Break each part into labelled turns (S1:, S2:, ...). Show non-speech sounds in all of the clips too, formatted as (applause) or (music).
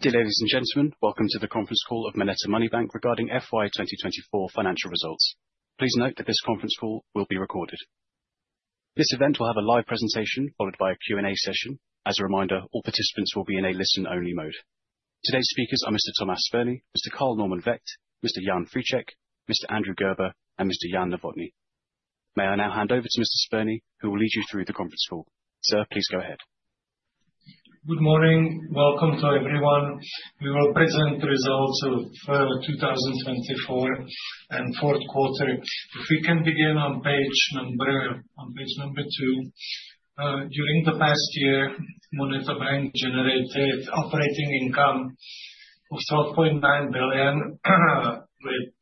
S1: Dear ladies and gentlemen, Welcome to the Conference Call of MONETA Money Bank regarding FY 2024 financial results. Please note that this conference call will be recorded. This event will have a live presentation followed by a Q&A session. As a reminder, all participants will be in a listen-only mode. Today's speakers are Mr. Tomáš Spurný, Mr. Carl Normann Vökt, Mr. Jan Friček, Mr. Andrew Gerber, and Mr. Jan Novotný. May I now hand over to Mr. Spurný, who will lead you through the conference call? Sir, please go ahead.
S2: Good morning. Welcome to everyone. We will present the results of 2024 and fourth quarter. If we can begin on page number two. During the past year, MONETA Money Bank generated operating income of 12.9 billion, with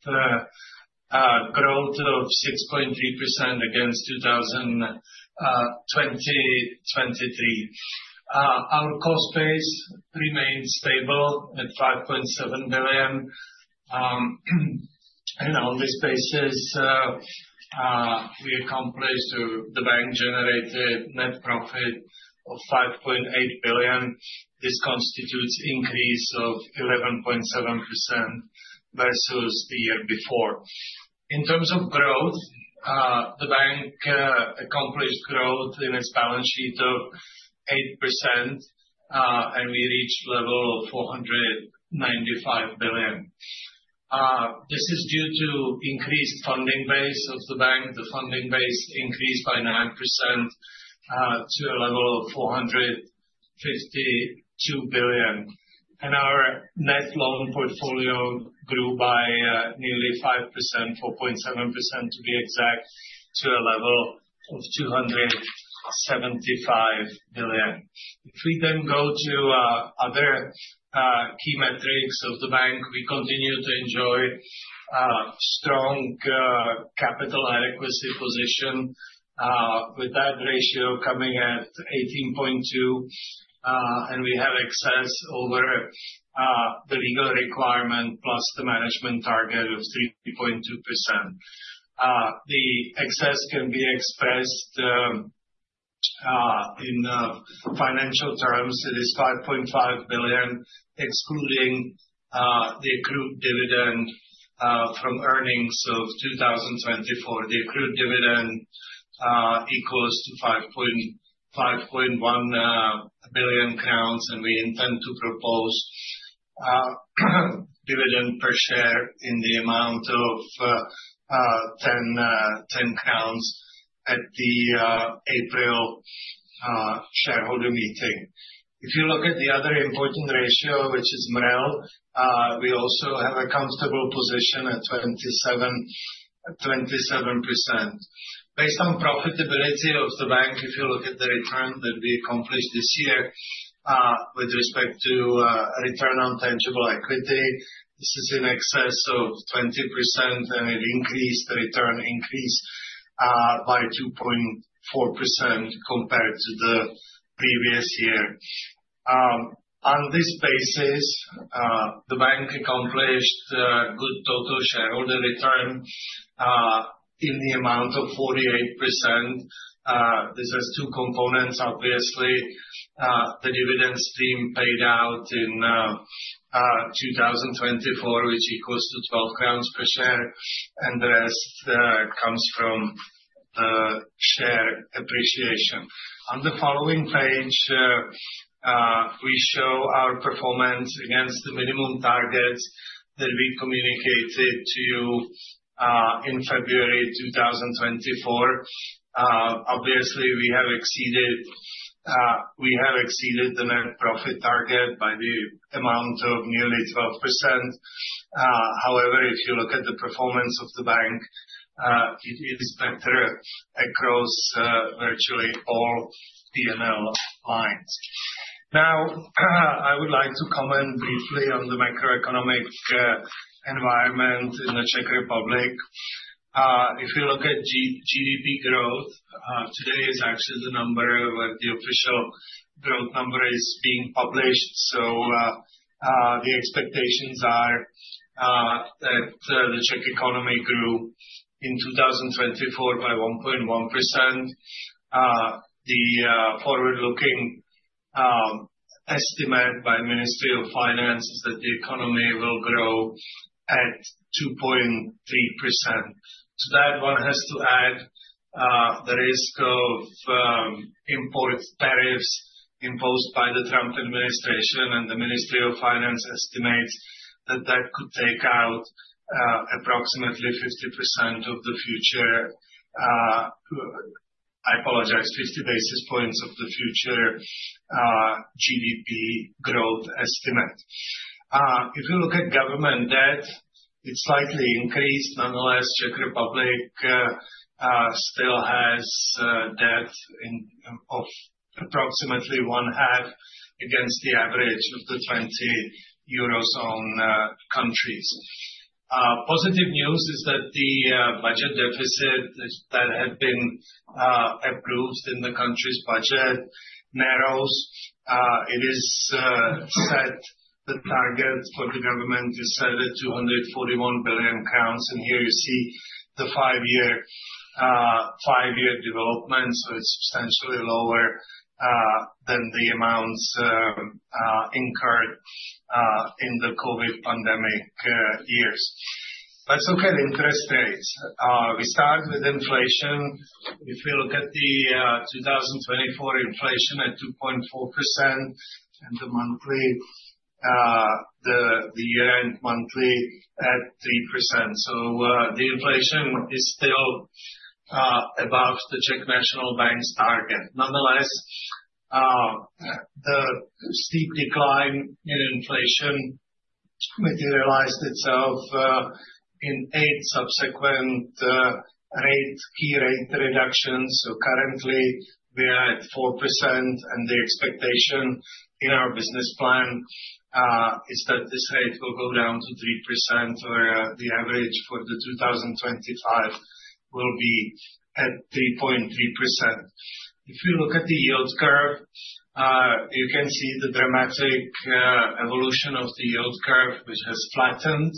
S2: growth of 6.3% against 2023. Our cost base remained stable at 5.7 billion, and on this basis, we accomplished the bank-generated net profit of 5.8 billion. This constitutes an increase of 11.7% versus the year before. In terms of growth, the bank accomplished growth in its balance sheet of 8%, and we reached a level of 495 billion. This is due to the increased funding base of the bank. The funding base increased by 9% to a level of 452 billion, and our net loan portfolio grew by nearly 5%, 4.7% to be exact, to a level of 275 billion. If we then go to other key metrics of the bank, we continue to enjoy a strong capital adequacy position, with that ratio coming at 18.2%, and we have excess over the legal requirement, plus the management target of 3.2%. The excess can be expressed in financial terms. It is 5.5 billion, excluding the accrued dividend from earnings of 2024. The accrued dividend equals CZK 5.1 billion, and we intend to propose dividend per share in the amount of 10 crowns at the April shareholder meeting. If you look at the other important ratio, which is MREL, we also have a comfortable position at 27%. Based on profitability of the bank, if you look at the return that we accomplished this year with respect to return on tangible equity, this is in excess of 20%, and it increased the return increase by 2.4% compared to the previous year. On this basis, the bank accomplished good total shareholder return in the amount of 48%. This has two components, obviously. The dividends being paid out in 2024, which equals 12 crowns per share, and the rest comes from the share appreciation. On the following page, we show our performance against the minimum targets that we communicated to you in February 2024. Obviously, we have exceeded the net profit target by the amount of nearly 12%. However, if you look at the performance of the bank, it is better across virtually all P&L lines. Now, I would like to comment briefly on the macroeconomic environment in the Czech Republic. If you look at GDP growth, today is actually the number where the official growth number is being published. So the expectations are that the Czech economy grew in 2024 by 1.1%. The forward-looking estimate by the Ministry of Finance is that the economy will grow at 2.3%. To that, one has to add the risk of import tariffs imposed by the Trump administration, and the Ministry of Finance estimates that that could take out approximately 50% of the future, I apologize, 50 basis points of the future GDP growth estimate. If you look at government debt, it's slightly increased. Nonetheless, the Czech Republic still has debt of approximately one half against the average of the 20 Eurozone countries. Positive news is that the budget deficit that had been approved in the country's budget narrows. It is set. The target for the government is set at CZK 241 billion. And here you see the five-year development. So it's substantially lower than the amounts incurred in the COVID pandemic years. Let's look at interest rates. We start with inflation. If we look at the 2024 inflation at 2.4% and the year-end monthly at 3%, so the inflation is still above the Czech National Bank's target. Nonetheless, the steep decline in inflation materialized itself in eight subsequent key rate reductions. So currently, we are at 4%, and the expectation in our business plan is that this rate will go down to 3%, where the average for 2025 will be at 3.3%. If you look at the yield curve, you can see the dramatic evolution of the yield curve, which has flattened.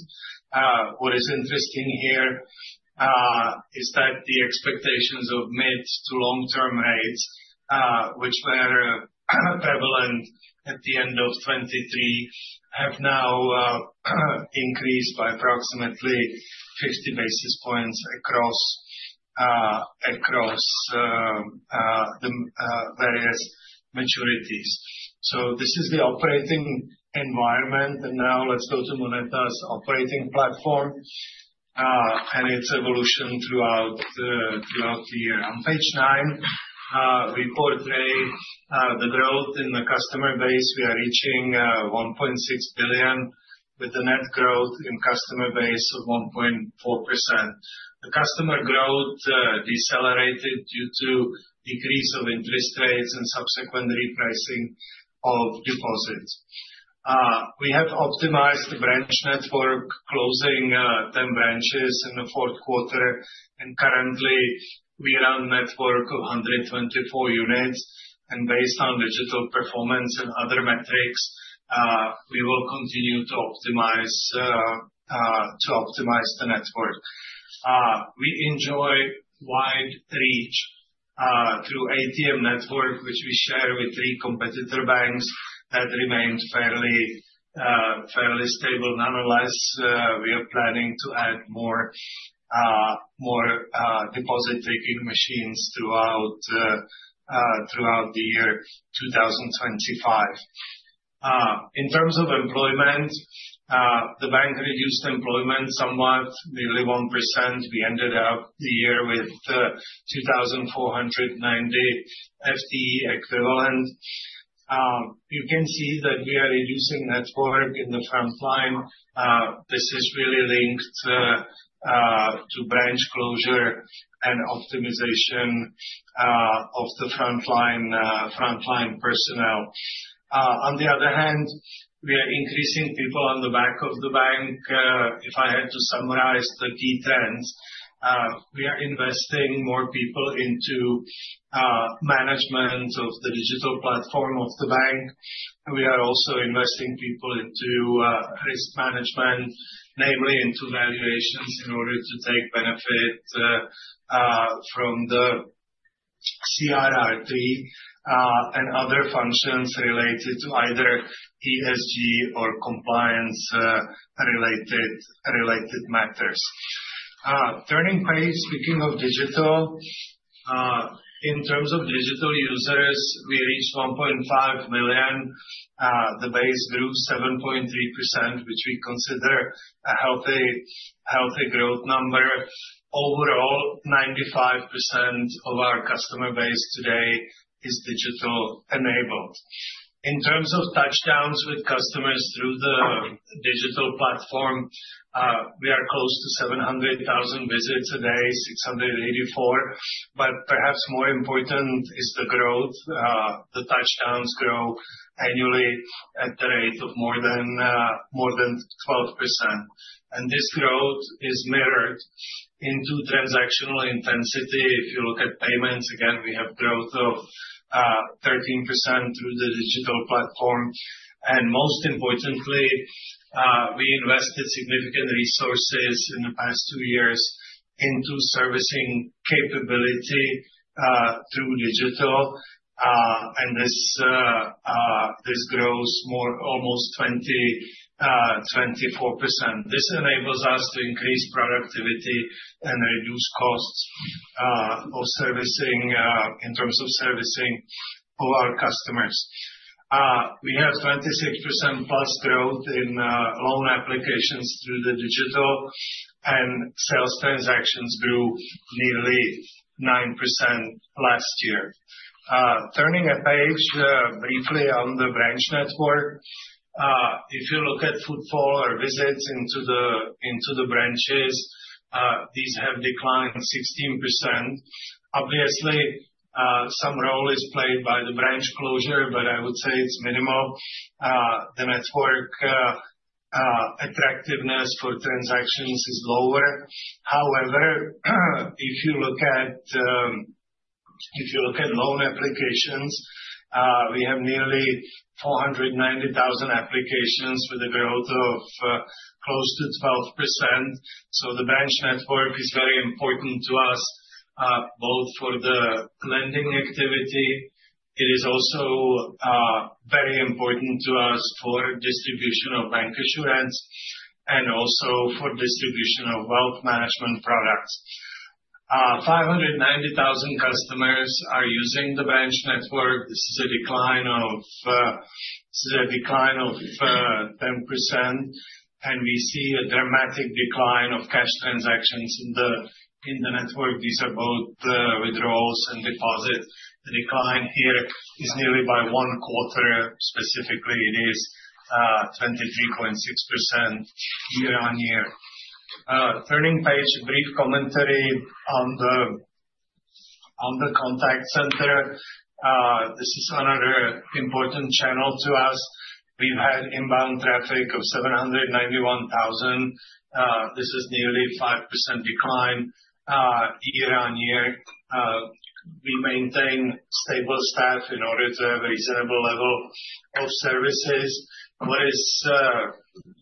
S2: What is interesting here is that the expectations of mid to long-term rates, which were prevalent at the end of 2023, have now increased by approximately 50 basis points across the various maturities. So this is the operating environment. And now let's go to MONETA's operating platform and its evolution throughout the year. On page nine, we portray the growth in the customer base. We are reaching 1.6 billion, with the net growth in customer base of 1.4%. The customer growth decelerated due to the decrease of interest rates and subsequent repricing of deposits. We have optimized the branch network, closing 10 branches in the fourth quarter. And currently, we run a network of 124 units. And based on digital performance and other metrics, we will continue to optimize the network. We enjoy wide reach through ATM network, which we share with three competitor banks that remained fairly stable. Nonetheless, we are planning to add more deposit-taking machines throughout the year 2025. In terms of employment, the bank reduced employment somewhat, nearly 1%. We ended up the year with 2,490 FTE equivalent. You can see that we are reducing network in the frontline. This is really linked to branch closure and optimization of the frontline personnel. On the other hand, we are increasing people on the back of the bank. If I had to summarize the key trends, we are investing more people into management of the digital platform of the bank. We are also investing people into risk management, namely into valuations in order to take benefit from the CRR3 and other functions related to either ESG or compliance-related matters. Turning page, speaking of digital, in terms of digital users, we reached 1.5 billion. The base grew 7.3%, which we consider a healthy growth number. Overall, 95% of our customer base today is digital-enabled. In terms of touchdowns with customers through the digital platform, we are close to 700,000 visits a day, 684. But perhaps more important is the growth. The touchdowns grow annually at the rate of more than 12%. This growth is mirrored into transactional intensity. If you look at payments, again, we have growth of 13% through the digital platform. Most importantly, we invested significant resources in the past two years into servicing capability through digital. This grows almost 24%. This enables us to increase productivity and reduce costs in terms of servicing our customers. We have 26% plus growth in loan applications through the digital, and sales transactions grew nearly 9% last year. Turning a page briefly on the branch network, if you look at footfall or visits into the branches, these have declined 16%. Obviously, some role is played by the branch closure, but I would say it's minimal. The network attractiveness for transactions is lower. However, if you look at loan applications, we have nearly 490,000 applications with a growth of close to 12%. So the branch network is very important to us, both for the lending activity. It is also very important to us for distribution of bank assurance and also for distribution of wealth management products. 590,000 customers are using the branch network. This is a decline of 10%, and we see a dramatic decline of cash transactions in the network. These are both withdrawals and deposits. The decline here is nearly by one quarter. Specifically, it is 23.6% year-on-year. Turning page, a brief commentary on the contact center. This is another important channel to us. We've had inbound traffic of 791,000. This is nearly a 5% decline year-on-year. We maintain stable staff in order to have a reasonable level of services. What is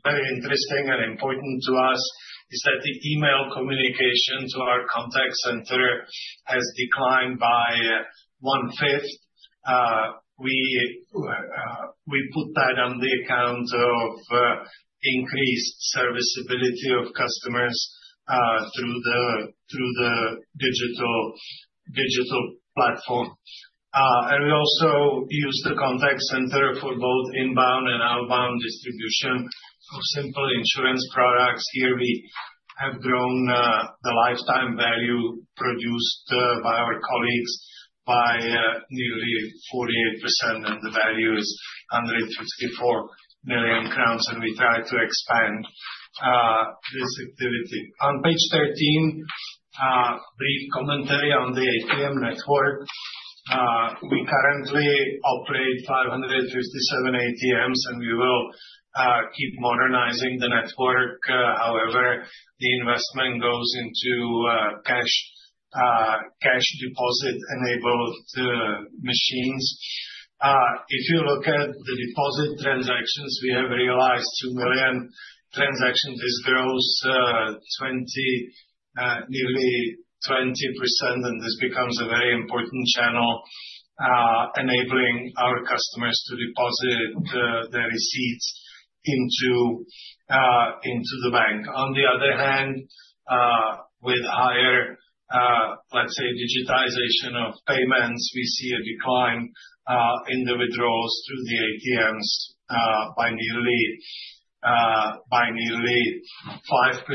S2: very interesting and important to us is that the email communication to our contact center has declined by one fifth. We put that on the account of increased serviceability of customers through the digital platform. And we also use the contact center for both inbound and outbound distribution of simple insurance products. Here, we have grown the lifetime value produced by our colleagues by nearly 48%, and the value is 154 million crowns, and we try to expand this activity. On page 13, a brief commentary on the ATM network. We currently operate 557 ATMs, and we will keep modernizing the network. However, the investment goes into cash deposit-enabled machines. If you look at the deposit transactions, we have realized 2 million transactions. This grows nearly 20%, and this becomes a very important channel enabling our customers to deposit their receipts into the bank. On the other hand, with higher, let's say, digitization of payments, we see a decline in the withdrawals through the ATMs by nearly 5%.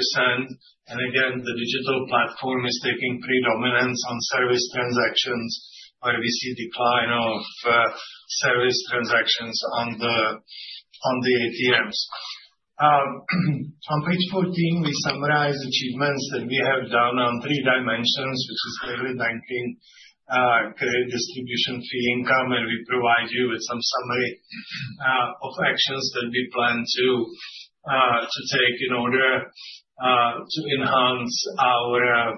S2: Again, the digital platform is taking predominance on service transactions, where we see a decline of service transactions on the ATMs. On page 14, we summarize achievements that we have done on three dimensions, which is clearly banking, credit distribution, fee income, and we provide you with some summary of actions that we plan to take in order to enhance our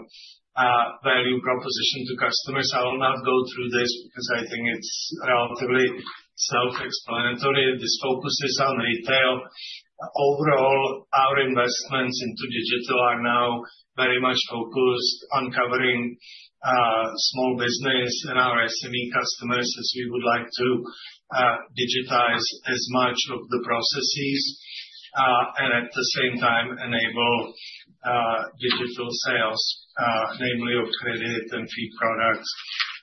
S2: value proposition to customers. I will not go through this because I think it's relatively self-explanatory. This focuses on retail. Overall, our investments into digital are now very much focused on covering small business and our SME customers, as we would like to digitize as much of the processes and at the same time enable digital sales, namely of credit and fee products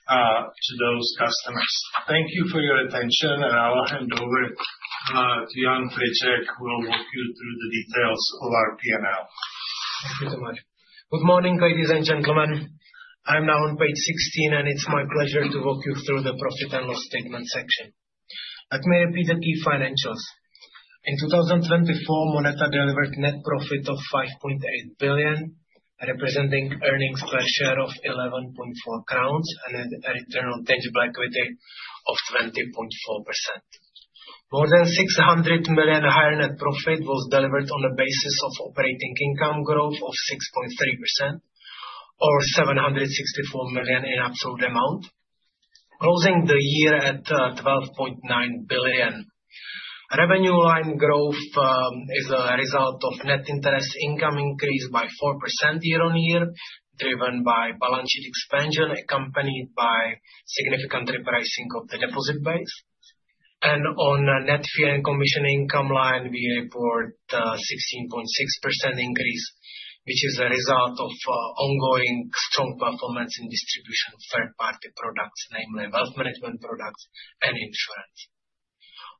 S2: to those customers. Thank you for your attention, and I will hand over to Jan Friček, who will walk you through the details of our P&L.
S3: Thank you so much. Good morning, ladies and gentlemen. I'm now on page 16, and it's my pleasure to walk you through the profit and loss statement section. Let me repeat the key financials. In 2024, MONETA delivered net profit of 5.8 billion, representing earnings per share of CZK 11.4counts and a return on tangible equity of 20.4%. More than 600 million higher net profit was delivered on the basis of operating income growth of 6.3%, or 764 million in absolute amount, closing the year at 12.9 billion. Revenue line growth is a result of net interest income increase by 4% year-on-year, driven by balance sheet expansion accompanied by significant repricing of the deposit base. On net fee and commission income line, we report a 16.6% increase, which is a result of ongoing strong performance in distribution of third-party products, namely wealth management products and insurance.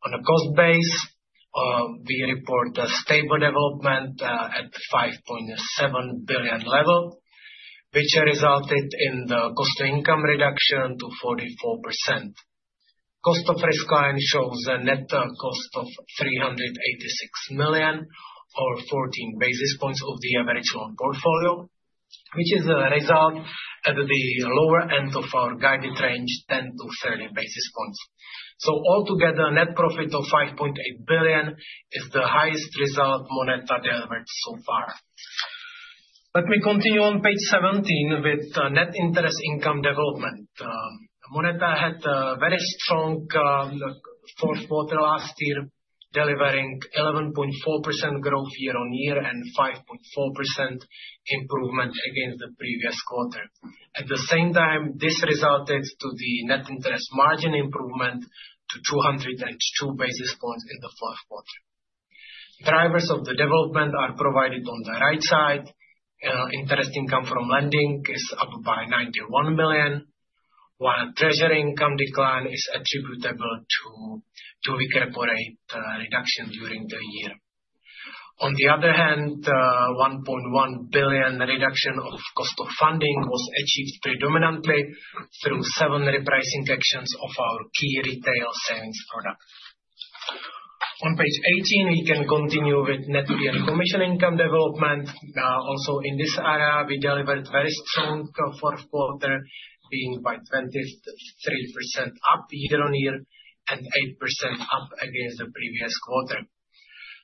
S3: On the cost base, we report a stable development at the 5.7 billion level, which resulted in the cost-to-income reduction to 44%. Cost of risk line shows a net cost of 386 million, or 14 basis points of the average loan portfolio, which is a result at the lower end of our guided range, 10 to 30 basis points. Altogether, net profit of 5.8 billion is the highest result MONETA delivered so far. Let me continue on page 17 with net interest income development. MONETA had a very strong fourth quarter last year, delivering 11.4% growth year-on-year and 5.4% improvement against the previous quarter. At the same time, this resulted in the net interest margin improvement to 202 basis points in the fourth quarter. Drivers of the development are provided on the right side. Interest income from lending is up by 91 million, while treasury income decline is attributable to weaker credit reduction during the year. On the other hand, 1.1 billion reduction of cost of funding was achieved predominantly through seven repricing actions of our key retail savings products. On page 18, we can continue with net fee and commission income development. Also in this area, we delivered very strong fourth quarter, being by 23% up year-on-year and 8% up against the previous quarter.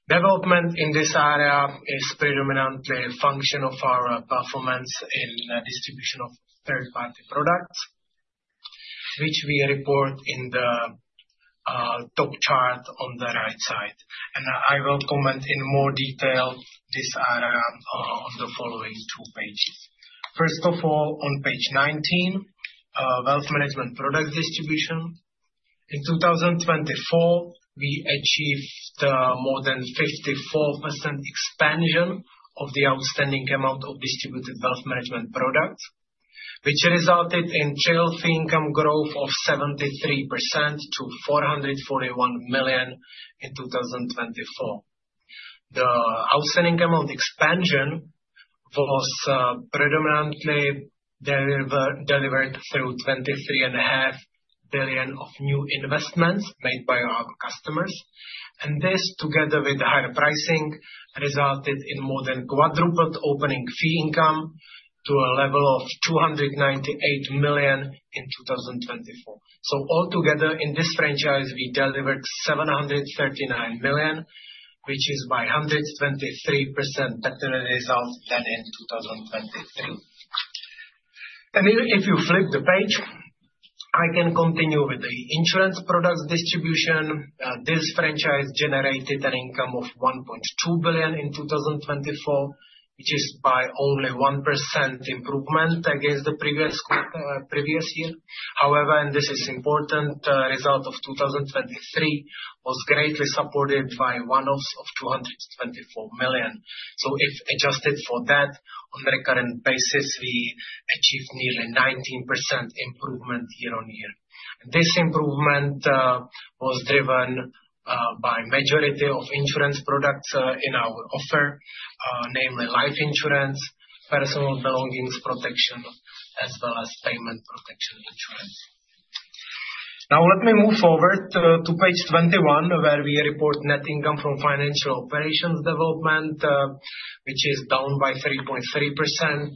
S3: Development in this area is predominantly a function of our performance in distribution of third-party products, which we report in the top chart on the right side. I will comment in more detail this area on the following two pages. First of all, on page 19, wealth management product distribution. In 2024, we achieved more than 54% expansion of the outstanding amount of distributed wealth management products, which resulted in trail fee income growth of 73% to 441 million in 2024. The outstanding amount expansion was predominantly delivered through 23.5 billion of new investments made by our customers. And this, together with higher pricing, resulted in more than quadrupled opening fee income to a level of 298 million in 2024. Altogether, in this franchise, we delivered 739 million, which is by 123% better results than in 2023. If you flip the page, I can continue with the insurance products distribution. This franchise generated an income of 1.2 billion in 2024, which is by only 1% improvement against the previous year. However, and this is important, the result of 2023 was greatly supported by one-offs of 224 million. So if adjusted for that, on the current basis, we achieved nearly 19% improvement year-on-year. This improvement was driven by the majority of insurance products in our offer, namely life insurance, personal belongings protection, as well as payment protection insurance. Now, let me move forward to page 21, where we report net income from financial operations development, which is down by 3.3%,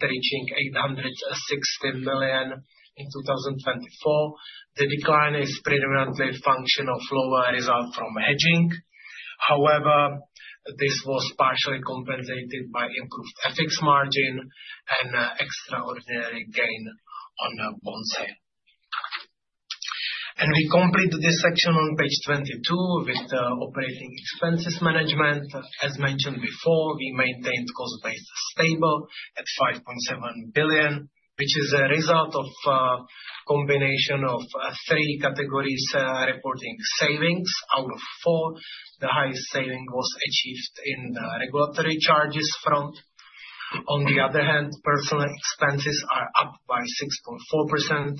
S3: reaching 860 million in 2024. The decline is predominantly a function of lower result from hedging. However, this was partially compensated by improved FX margin and extraordinary gain on the bond side. And we complete this section on page 22 with operating expenses management. As mentioned before, we maintained cost base stable at 5.7 billion, which is a result of a combination of three categories reporting savings out of four. The highest saving was achieved in the regulatory charges front. On the other hand, personal expenses are up by 6.4%,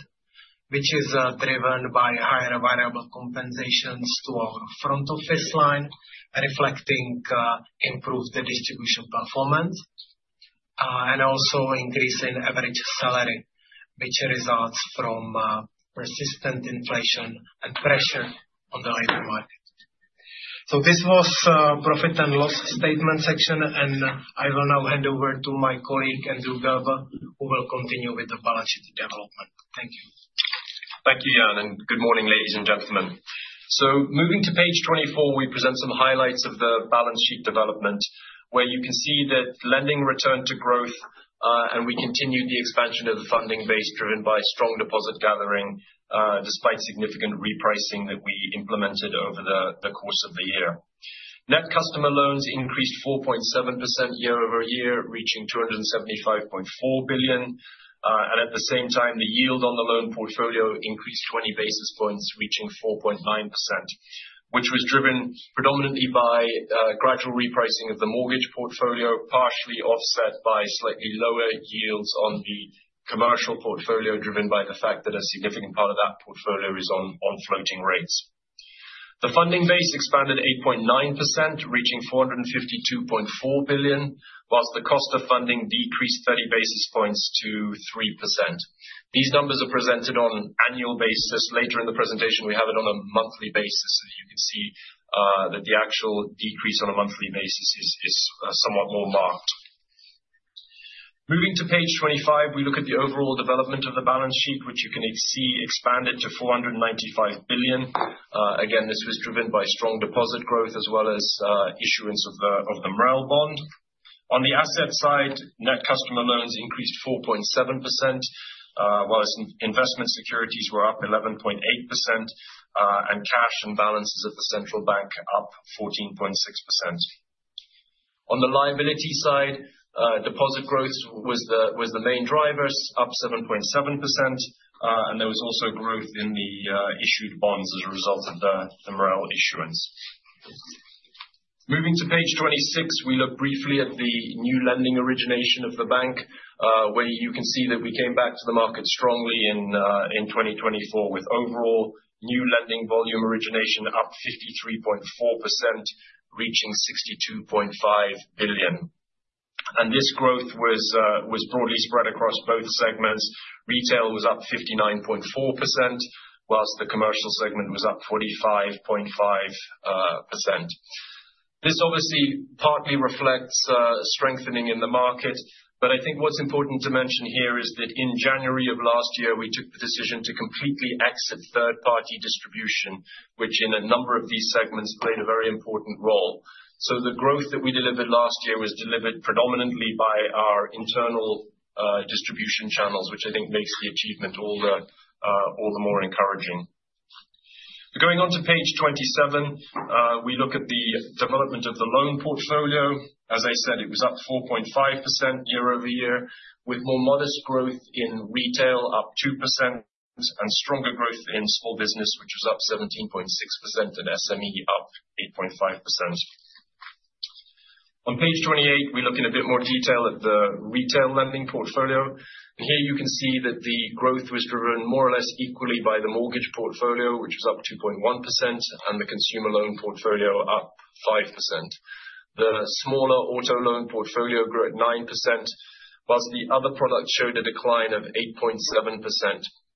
S3: which is driven by higher variable compensations to our front office line, reflecting improved distribution performance and also increasing average salary, which results from persistent inflation and pressure on the labor market, so this was the profit and loss statement section, and I will now hand over to my colleague, Andrew Gerber, who will continue with the balance sheet development. Thank you.
S4: Thank you, Jan, and good morning, ladies and gentlemen, so moving to page 24, we present some highlights of the balance sheet development, where you can see that lending returned to growth, and we continued the expansion of the funding base driven by strong deposit gathering despite significant repricing that we implemented over the course of the year. Net customer loans increased 4.7% year-over-year, reaching 275.4 billion. At the same time, the yield on the loan portfolio increased 20 basis points, reaching 4.9%, which was driven predominantly by gradual repricing of the mortgage portfolio, partially offset by slightly lower yields on the commercial portfolio driven by the fact that a significant part of that portfolio is on floating rates. The funding base expanded 8.9%, reaching 452.4 billion, while the cost of funding decreased 30 basis points to 3%. These numbers are presented on an annual basis. Later in the presentation, we have it on a monthly basis, so you can see that the actual decrease on a monthly basis is somewhat more marked. Moving to page 25, we look at the overall development of the balance sheet, which you can see expanded to 495 billion. Again, this was driven by strong deposit growth as well as issuance of the MREL bond. On the asset side, net customer loans increased 4.7%, while investment securities were up 11.8%, and cash and balances of the central bank up 14.6%. On the liability side, deposit growth was the main driver, up 7.7%, and there was also growth in the issued bonds as a result of the MREL issuance. Moving to page 26, we look briefly at the new lending origination of the bank, where you can see that we came back to the market strongly in 2024, with overall new lending volume origination up 53.4%, reaching 62.5 billion. This growth was broadly spread across both segments. Retail was up 59.4%, while the commercial segment was up 45.5%. This obviously partly reflects strengthening in the market, but I think what's important to mention here is that in January of last year, we took the decision to completely exit third-party distribution, which in a number of these segments played a very important role. So the growth that we delivered last year was delivered predominantly by our internal distribution channels, which I think makes the achievement all the more encouraging. Going on to page 27, we look at the development of the loan portfolio. As I said, it was up 4.5% year-over-year, with more modest growth in retail up 2% and stronger growth in small business, which was up 17.6%, and SME up 8.5%. On page 28, we look in a bit more detail at the retail lending portfolio. Here you can see that the growth was driven more or less equally by the mortgage portfolio, which was up 2.1%, and the consumer loan portfolio up 5%. The smaller auto loan portfolio grew at 9%, whilst the other products showed a decline of 8.7%.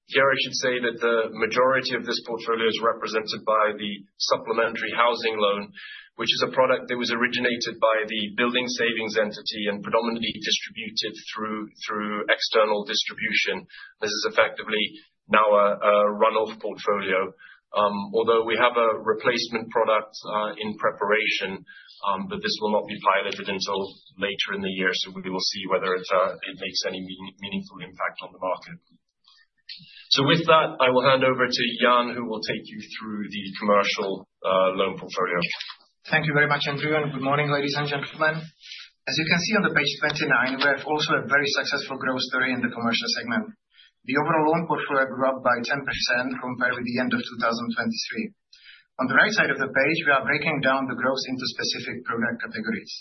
S4: Here, I should say that the majority of this portfolio is represented by the supplementary housing loan, which is a product that was originated by the building savings entity and predominantly distributed through external distribution. This is effectively now a runoff portfolio, although we have a replacement product in preparation, but this will not be piloted until later in the year, so we will see whether it makes any meaningful impact on the market. With that, I will hand over to Jan, who will take you through the commercial loan portfolio.
S3: Thank you very much, Andrew. Good morning, ladies and gentlemen. As you can see on the page 29, we have also a very successful growth story in the commercial segment. The overall loan portfolio grew up by 10% compared with the end of 2023. On the right side of the page, we are breaking down the growth into specific product categories.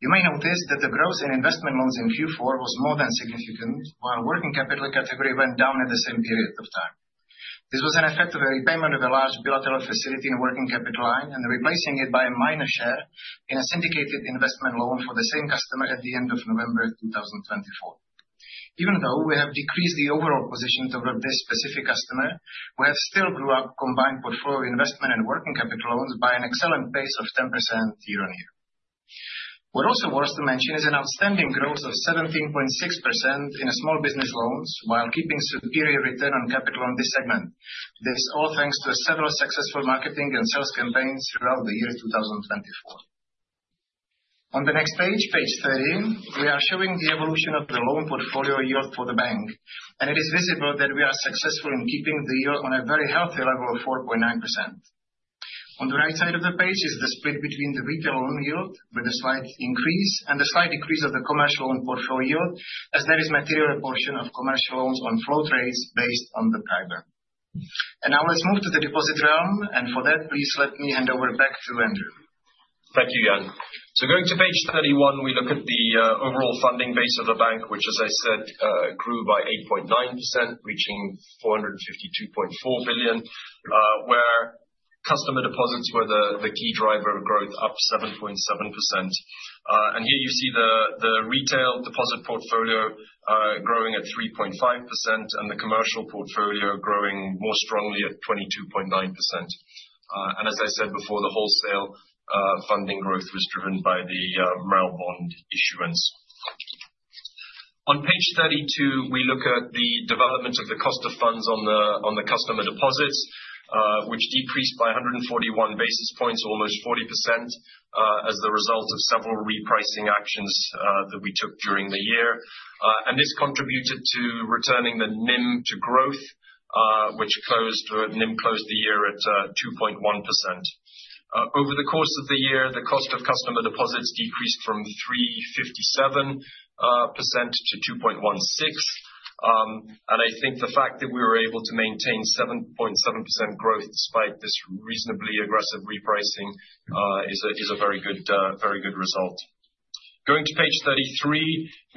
S3: You may notice that the growth in investment loans in Q4 was more than significant, while working capital category went down at the same period of time. This was an effect of a repayment of a large bilateral facility in working capital line and replacing it by a minor share in a syndicated investment loan for the same customer at the end of November 2024. Even though we have decreased the overall position to this specific customer, we have still grew our combined portfolio investment and working capital loans by an excellent pace of 10% year-on-year. What also was to mention is an outstanding growth of 17.6% in small business loans while keeping superior return on capital in this segment. This is all thanks to several successful marketing and sales campaigns throughout the year 2024. On the next page, page 13, we are showing the evolution of the loan portfolio yield for the bank, and it is visible that we are successful in keeping the yield on a very healthy level of 4.9%. On the right side of the page is the split between the retail loan yield with a slight increase and a slight decrease of the commercial loan portfolio yield, as there is a material portion of commercial loans on float rates based on the PRIBOR. And now let's move to the deposit realm, and for that, please let me hand over back to Andrew.
S4: Thank you, Jan. So going to page 31, we look at the overall funding base of the bank, which, as I said, grew by 8.9%, reaching 452.4 billion, where customer deposits were the key driver of growth, up 7.7%. And here you see the retail deposit portfolio growing at 3.5% and the commercial portfolio growing more strongly at 22.9%. And as I said before, the wholesale funding growth was driven by the MREL bond issuance. On page 32, we look at the development of the cost of funds on the customer deposits, which decreased by 141 basis points, almost 40%, as the result of several repricing actions that we took during the year. And this contributed to returning the NIM to growth, which closed the year at 2.1%. Over the course of the year, the cost of customer deposits decreased from 3.57% to 2.16%. And I think the fact that we were able to maintain 7.7% growth despite this reasonably aggressive repricing is a very good result. Going to page 33,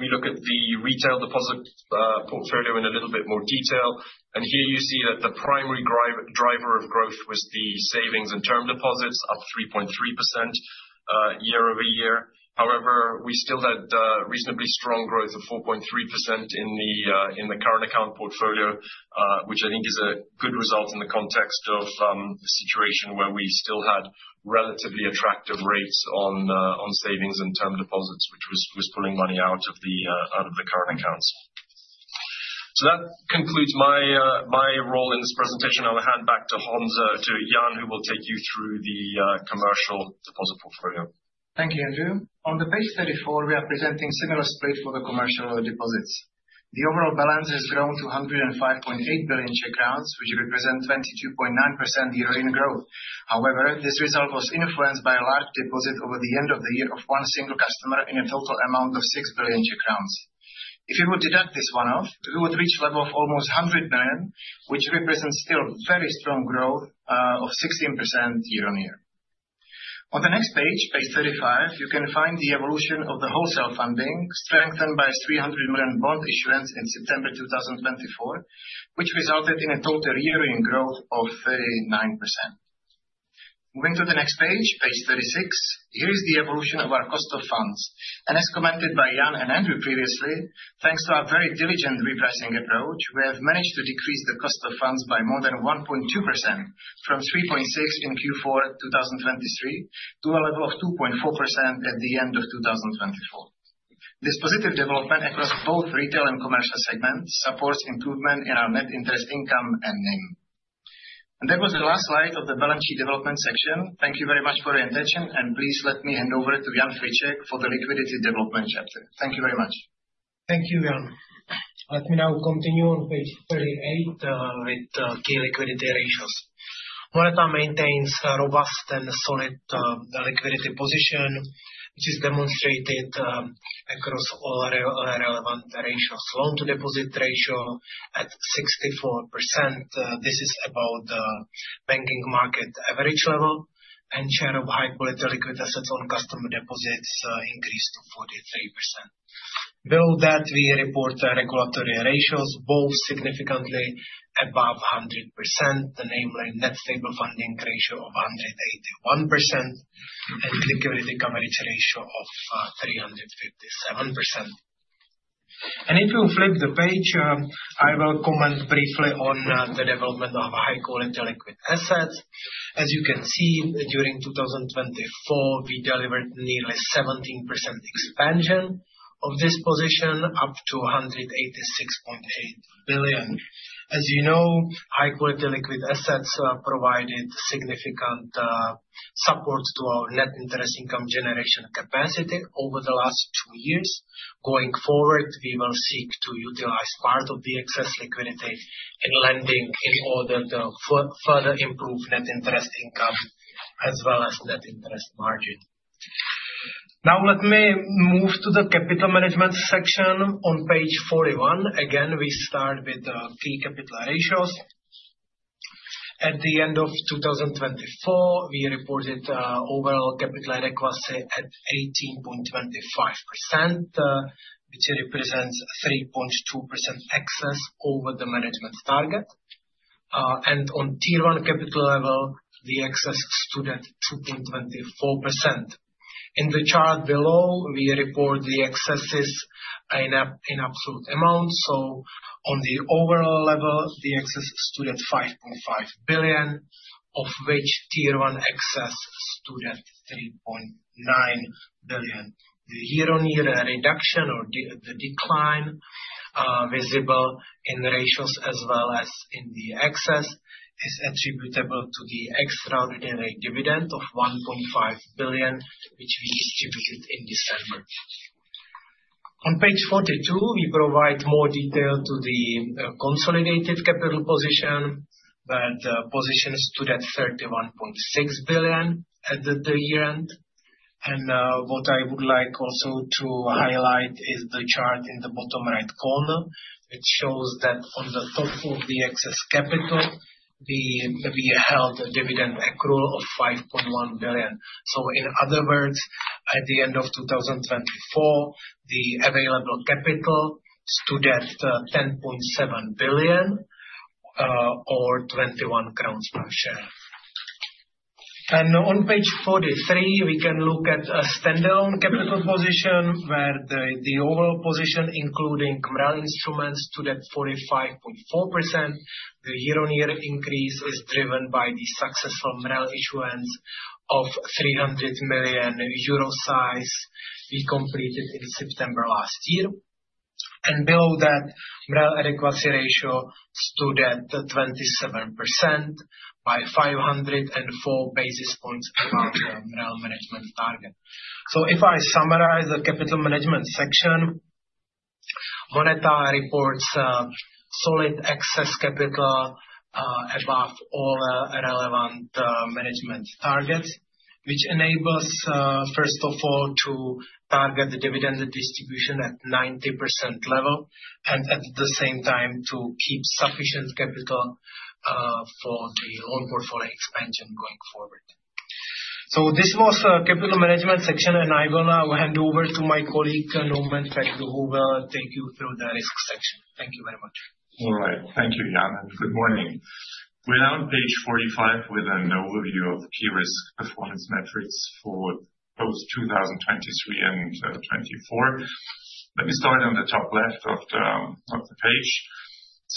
S4: we look at the retail deposit portfolio in a little bit more detail. And here you see that the primary driver of growth was the savings and term deposits, up 3.3% year-over-year. However, we still had reasonably strong growth of 4.3% in the current account portfolio, which I think is a good result in the context of a situation where we still had relatively attractive rates on savings and term deposits, which was pulling money out of the current accounts. So that concludes my role in this presentation. I'll hand back to Jan, who will take you through the commercial deposit portfolio.
S2: Thank you, Andrew. On the page 34, we are presenting a similar split for the commercial deposits. The overall balance has grown to 105.8 billion Czech crowns, which represents 22.9% year-over-year growth. However, this result was influenced by a large deposit over the end of the year of one single customer in a total amount of 6 billion Czech crowns. If we would deduct this one-off, we would reach a level of almost 100 billion, which represents still very strong growth of 16% year-over-year. On the next page, page 35, you can find the evolution of the wholesale funding strengthened by 300 million bond issuance in September 2024, which resulted in a total year-over-year growth of 39%. Moving to the next page, page 36, here is the evolution of our cost of funds. As commented by Jan and Andrew previously, thanks to our very diligent repricing approach, we have managed to decrease the cost of funds by more than 1.2% from 3.6% in Q4 2023 to a level of 2.4% at the end of 2024. This positive development across both retail and commercial segments supports improvement in our net interest income and NIM. That was the last slide of the balance sheet development section. Thank you very much for your attention, and please let me hand over to Jan Friček for the liquidity development chapter. Thank you very much.
S3: Thank you, Jan. Let me now continue on page 38 with key liquidity ratios. MONETA maintains a robust and solid liquidity position, which is demonstrated across all relevant ratios. Loan-to-deposit ratio at 64%. This is about the banking market average level, and share of high-quality liquid assets on customer deposits increased to 43%. Below that, we report regulatory ratios, both significantly above 100%, namely net stable funding ratio of 181% and liquidity coverage ratio of 357%. And if you flip the page, I will comment briefly on the development of high-quality liquid assets. As you can see, during 2024, we delivered nearly 17% expansion of this position, up to 186.8 billion. As you know, high-quality liquid assets provided significant support to our net interest income generation capacity over the last two years. Going forward, we will seek to utilize part of the excess liquidity in lending in order to further improve net interest income as well as net interest margin. Now, let me move to the capital management section on page 41. Again, we start with the key capital ratios. At the end of 2024, we reported overall capital adequacy at 18.25%, which represents 3.2% excess over the management target. And on Tier 1 capital level, the excess stood at 2.24%. In the chart below, we report the excesses in absolute amount. So on the overall level, the excess stood at 5.5 billion, of which Tier 1 excess stood at 3.9 billion. The year-on-year reduction or the decline visible in ratios as well as in the excess is attributable to the extraordinary dividend of 1.5 billion, which we distributed in December. On page 42, we provide more detail to the consolidated capital position, but the position stood at 31.6 billion at the year-end. And what I would like also to highlight is the chart in the bottom right corner, which shows that on the top of the excess capital, we held a dividend accrual of 5.1 billion. So in other words, at the end of 2024, the available capital stood at 10.7 billion or 21 crowns per share. And on page 43, we can look at a standalone capital position, where the overall position, including MREL requirements, stood at 45.4%. The year-on-year increase is driven by the successful MREL issuance of 300 million euro size we completed in September last year. And below that, MREL adequacy ratio stood at 27% by 504 basis points above the MREL management target. So if I summarize the capital management section, MONETA reports solid excess capital above all relevant management targets, which enables, first of all, to target the dividend distribution at 90% level and at the same time to keep sufficient capital for the loan portfolio expansion going forward. This was a capital management section, and I will now hand over to my colleague, Carl Normann Vökt, who will take you through the risk section. Thank you very much.
S5: All right. Thank you, Jan. And good morning. We're now on page 45 with an overview of key risk performance metrics for both 2023 and 2024. Let me start on the top left of the page.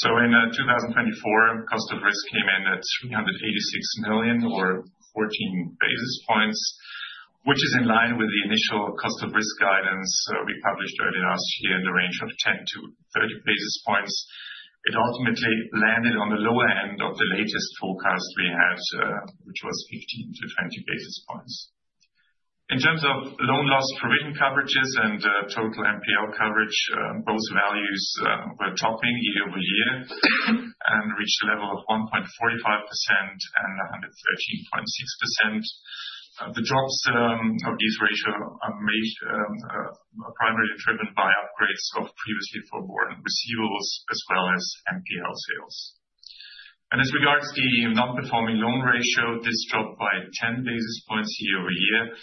S5: In 2024, cost of risk came in at 386 million or 14 basis points, which is in line with the initial cost of risk guidance we published early last year in the range of 10-30 basis points. It ultimately landed on the lower end of the latest forecast we had, which was 15-20 basis points. In terms of loan loss provision coverages and total NPL coverage, both values were topping year-over-year and reached a level of 1.45% and 113.6%. The drops of these ratios are primarily driven by upgrades of previously forborne receivables as well as NPL sales. And as regards the non-performing loan ratio, this dropped by 10 basis points year-over-year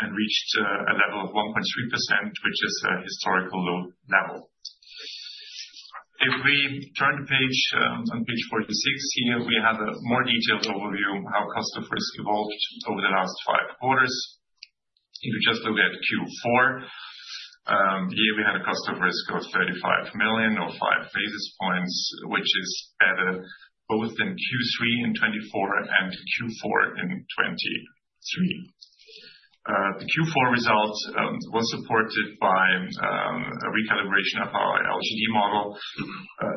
S5: and reached a level of 1.3%, which is a historical low level. If we turn the page on page 46, here we have a more detailed overview of how cost of risk evolved over the last five quarters. If you just look at Q4, here we had a cost of risk of 35 million or 5 basis points, which is better both in Q3 in 2024 and Q4 in 2023. The Q4 result was supported by a recalibration of our LGD model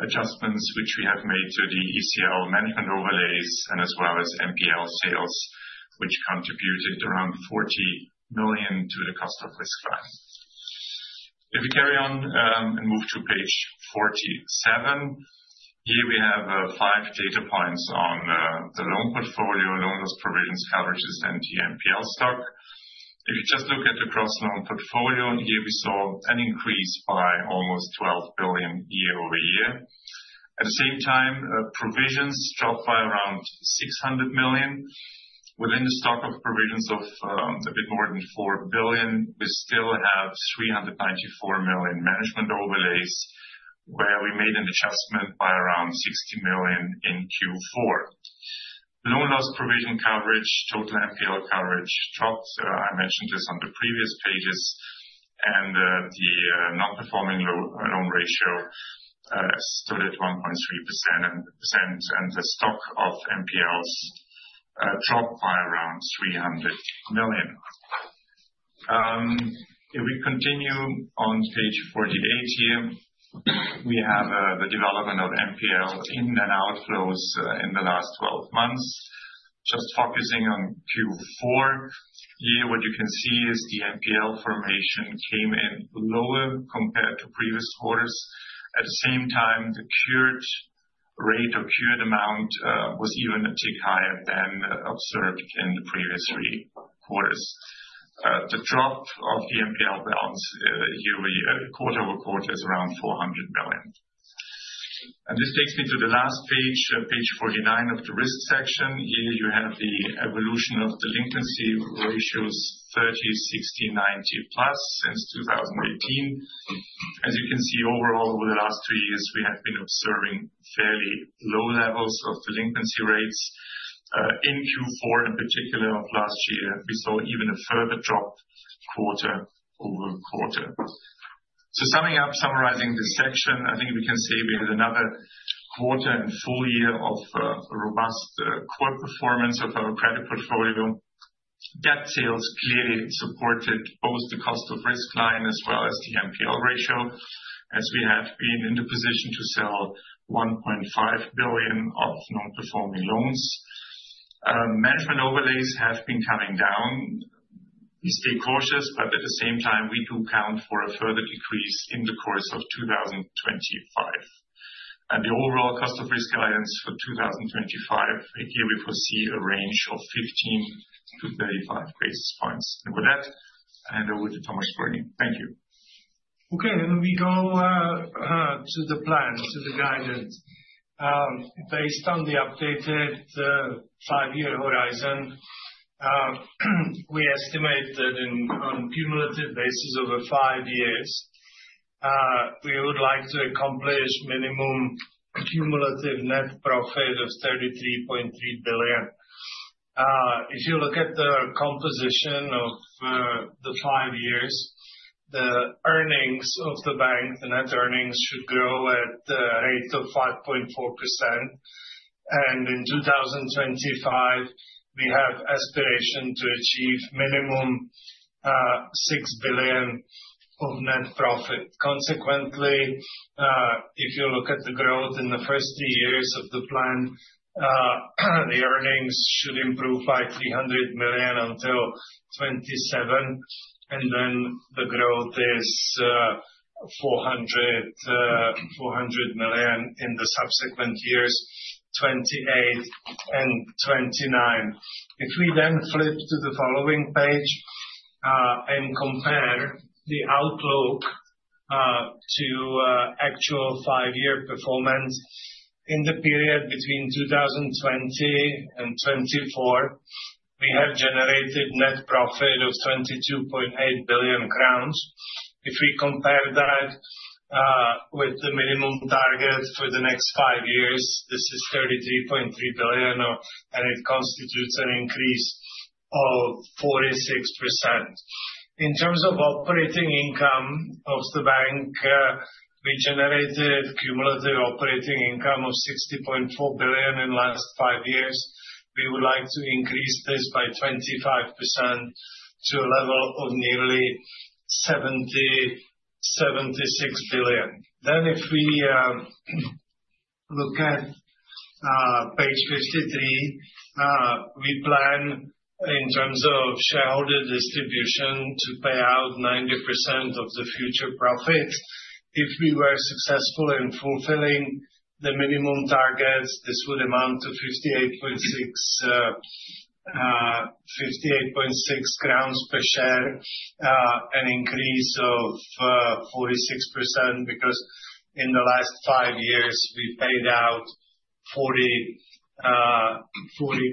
S5: adjustments, which we have made to the ECL management overlays and as well as NPL sales, which contributed around 40 million to the cost of risk value. If we carry on and move to page 47, here we have five data points on the loan portfolio, loan loss provisions, coverages, and the NPL stock. If you just look at the gross loan portfolio, here we saw an increase by almost 12 billion year-over-year. At the same time, provisions dropped by around 600 million. Within the stock of provisions of a bit more than 4 billion, we still have 394 million management overlays where we made an adjustment by around 60 million in Q4. Loan loss provision coverage, total NPL coverage dropped. I mentioned this on the previous pages, and the non-performing loan ratio stood at 1.3%, and the stock of NPLs dropped by around 300 million. If we continue on page 48 here, we have the development of NPL inflows and outflows in the last 12 months. Just focusing on Q4, here, what you can see is the MPL formation came in lower compared to previous quarters. At the same time, the cured rate or cured amount was even a tick higher than observed in the previous three quarters. The drop of the MPL balance here quarter over quarter is around 400 million, and this takes me to the last page, page 49 of the risk section. Here you have the evolution of the delinquency ratios, 30, 60, 90 plus since 2018. As you can see, overall, over the last three years, we have been observing fairly low levels of delinquency rates. In Q4, in particular, of last year, we saw even a further drop quarter-over-quarter, so summing up, summarizing this section, I think we can say we had another quarter and full year of robust core performance of our credit portfolio. Debt sales clearly supported both the cost of risk line as well as the NPL ratio, as we have been in the position to sell 1.5 billion CZK of non-performing loans. Management overlays have been coming down. We stay cautious, but at the same time, we do count for a further decrease in the course of 2025. The overall cost of risk guidance for 2025, here we foresee a range of 15-35 basis points. With that, I hand over to Tomáš Spurný.
S2: Thank you. Okay. Then we go to the plan, to the guidance. Based on the updated five-year horizon, we estimate that on a cumulative basis over five years, we would like to accomplish minimum cumulative net profit of 33.3 billion CZK. If you look at the composition of the five years, the earnings of the bank, the net earnings, should grow at a rate of 5.4%. In 2025, we have aspiration to achieve minimum 6 billion of net profit. Consequently, if you look at the growth in the first three years of the plan, the earnings should improve by 300 million until 2027, and then the growth is 400 million in the subsequent years, 2028 and 2029. If we then flip to the following page and compare the outlook to actual five-year performance, in the period between 2020 and 2024, we have generated net profit of 22.8 billion crowns. If we compare that with the minimum target for the next five years, this is 33.3 billion, and it constitutes an increase of 46%. In terms of operating income of the bank, we generated cumulative operating income of 60.4 billion in the last five years. We would like to increase this by 25% to a level of nearly 76 billion. Then, if we look at page 53, we plan in terms of shareholder distribution to pay out 90% of the future profits. If we were successful in fulfilling the minimum targets, this would amount to CZK 58.6 per share, an increase of 46% because in the last five years, we paid out 40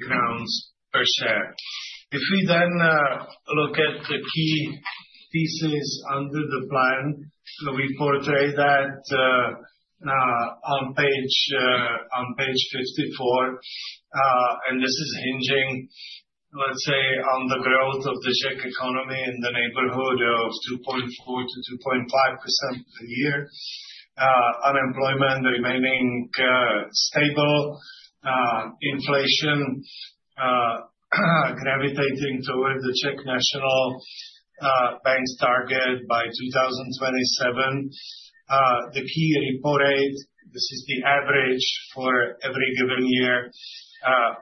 S2: crowns per share. If we then look at the key pieces under the plan, we portray that on page 54, and this is hinging, let's say, on the growth of the Czech economy in the neighborhood of 2.4%-2.5% per year, unemployment remaining stable, inflation gravitating toward the Czech National Bank's target by 2027. The key repo rate, this is the average for every given year,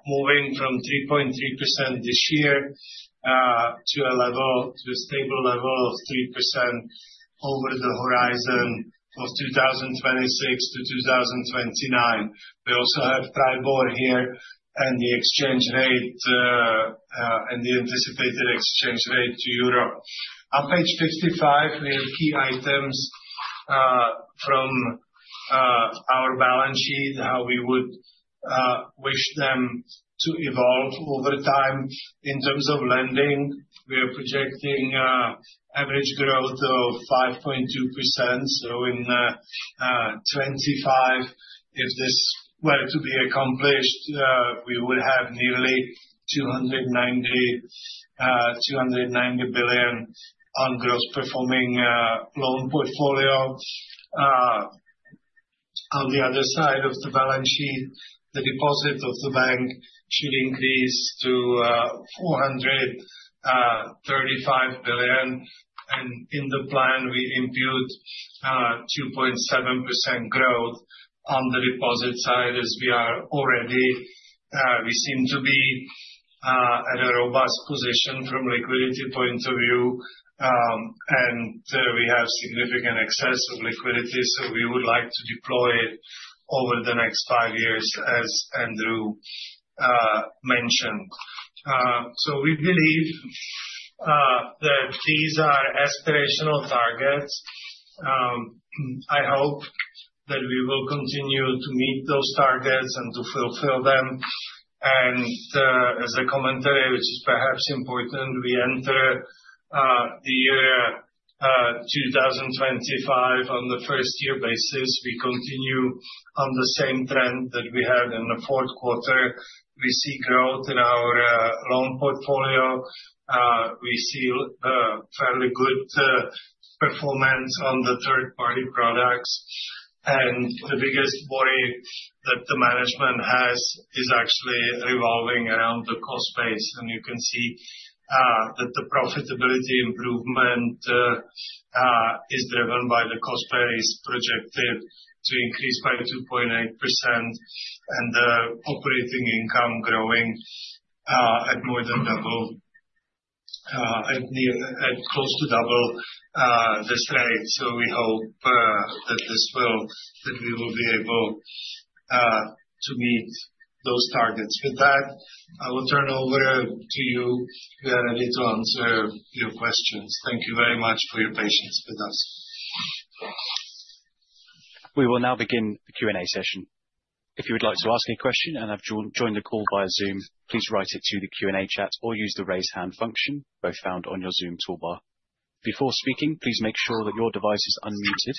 S2: moving from 3.3% this year to a stable level of 3% over the horizon of 2026 to 2029. We also have PRIBOR here and the exchange rate and the anticipated exchange rate to Europe. On page 55, we have key items from our balance sheet, how we would wish them to evolve over time. In terms of lending, we are projecting average growth of 5.2%, so in 2025, if this were to be accomplished, we would have nearly 290 billion on gross performing loan portfolio. On the other side of the balance sheet, the deposit of the bank should increase to 435 billion, and in the plan, we impute 2.7% growth on the deposit side as we are already. We seem to be at a robust position from a liquidity point of view, and we have significant excess of liquidity, so we would like to deploy it over the next five years, as Andrew mentioned, so we believe that these are aspirational targets. I hope that we will continue to meet those targets and to fulfill them. And as a commentary, which is perhaps important, we enter the year 2025 on the first-year basis. We continue on the same trend that we had in the fourth quarter. We see growth in our loan portfolio. We see fairly good performance on the third-party products. And the biggest worry that the management has is actually revolving around the cost base. And you can see that the profitability improvement is driven by the cost base projected to increase by 2.8% and the operating income growing at more than double, at close to double this rate. So we hope that we will be able to meet those targets. With that, I will turn over to you. We are ready to answer your questions. Thank you very much for your patience with us.
S1: We will now begin the Q&A session. If you would like to ask a question and have joined the call via Zoom, please write it to the Q&A chat or use the raise hand function both found on your Zoom toolbar. Before speaking, please make sure that your device is unmuted.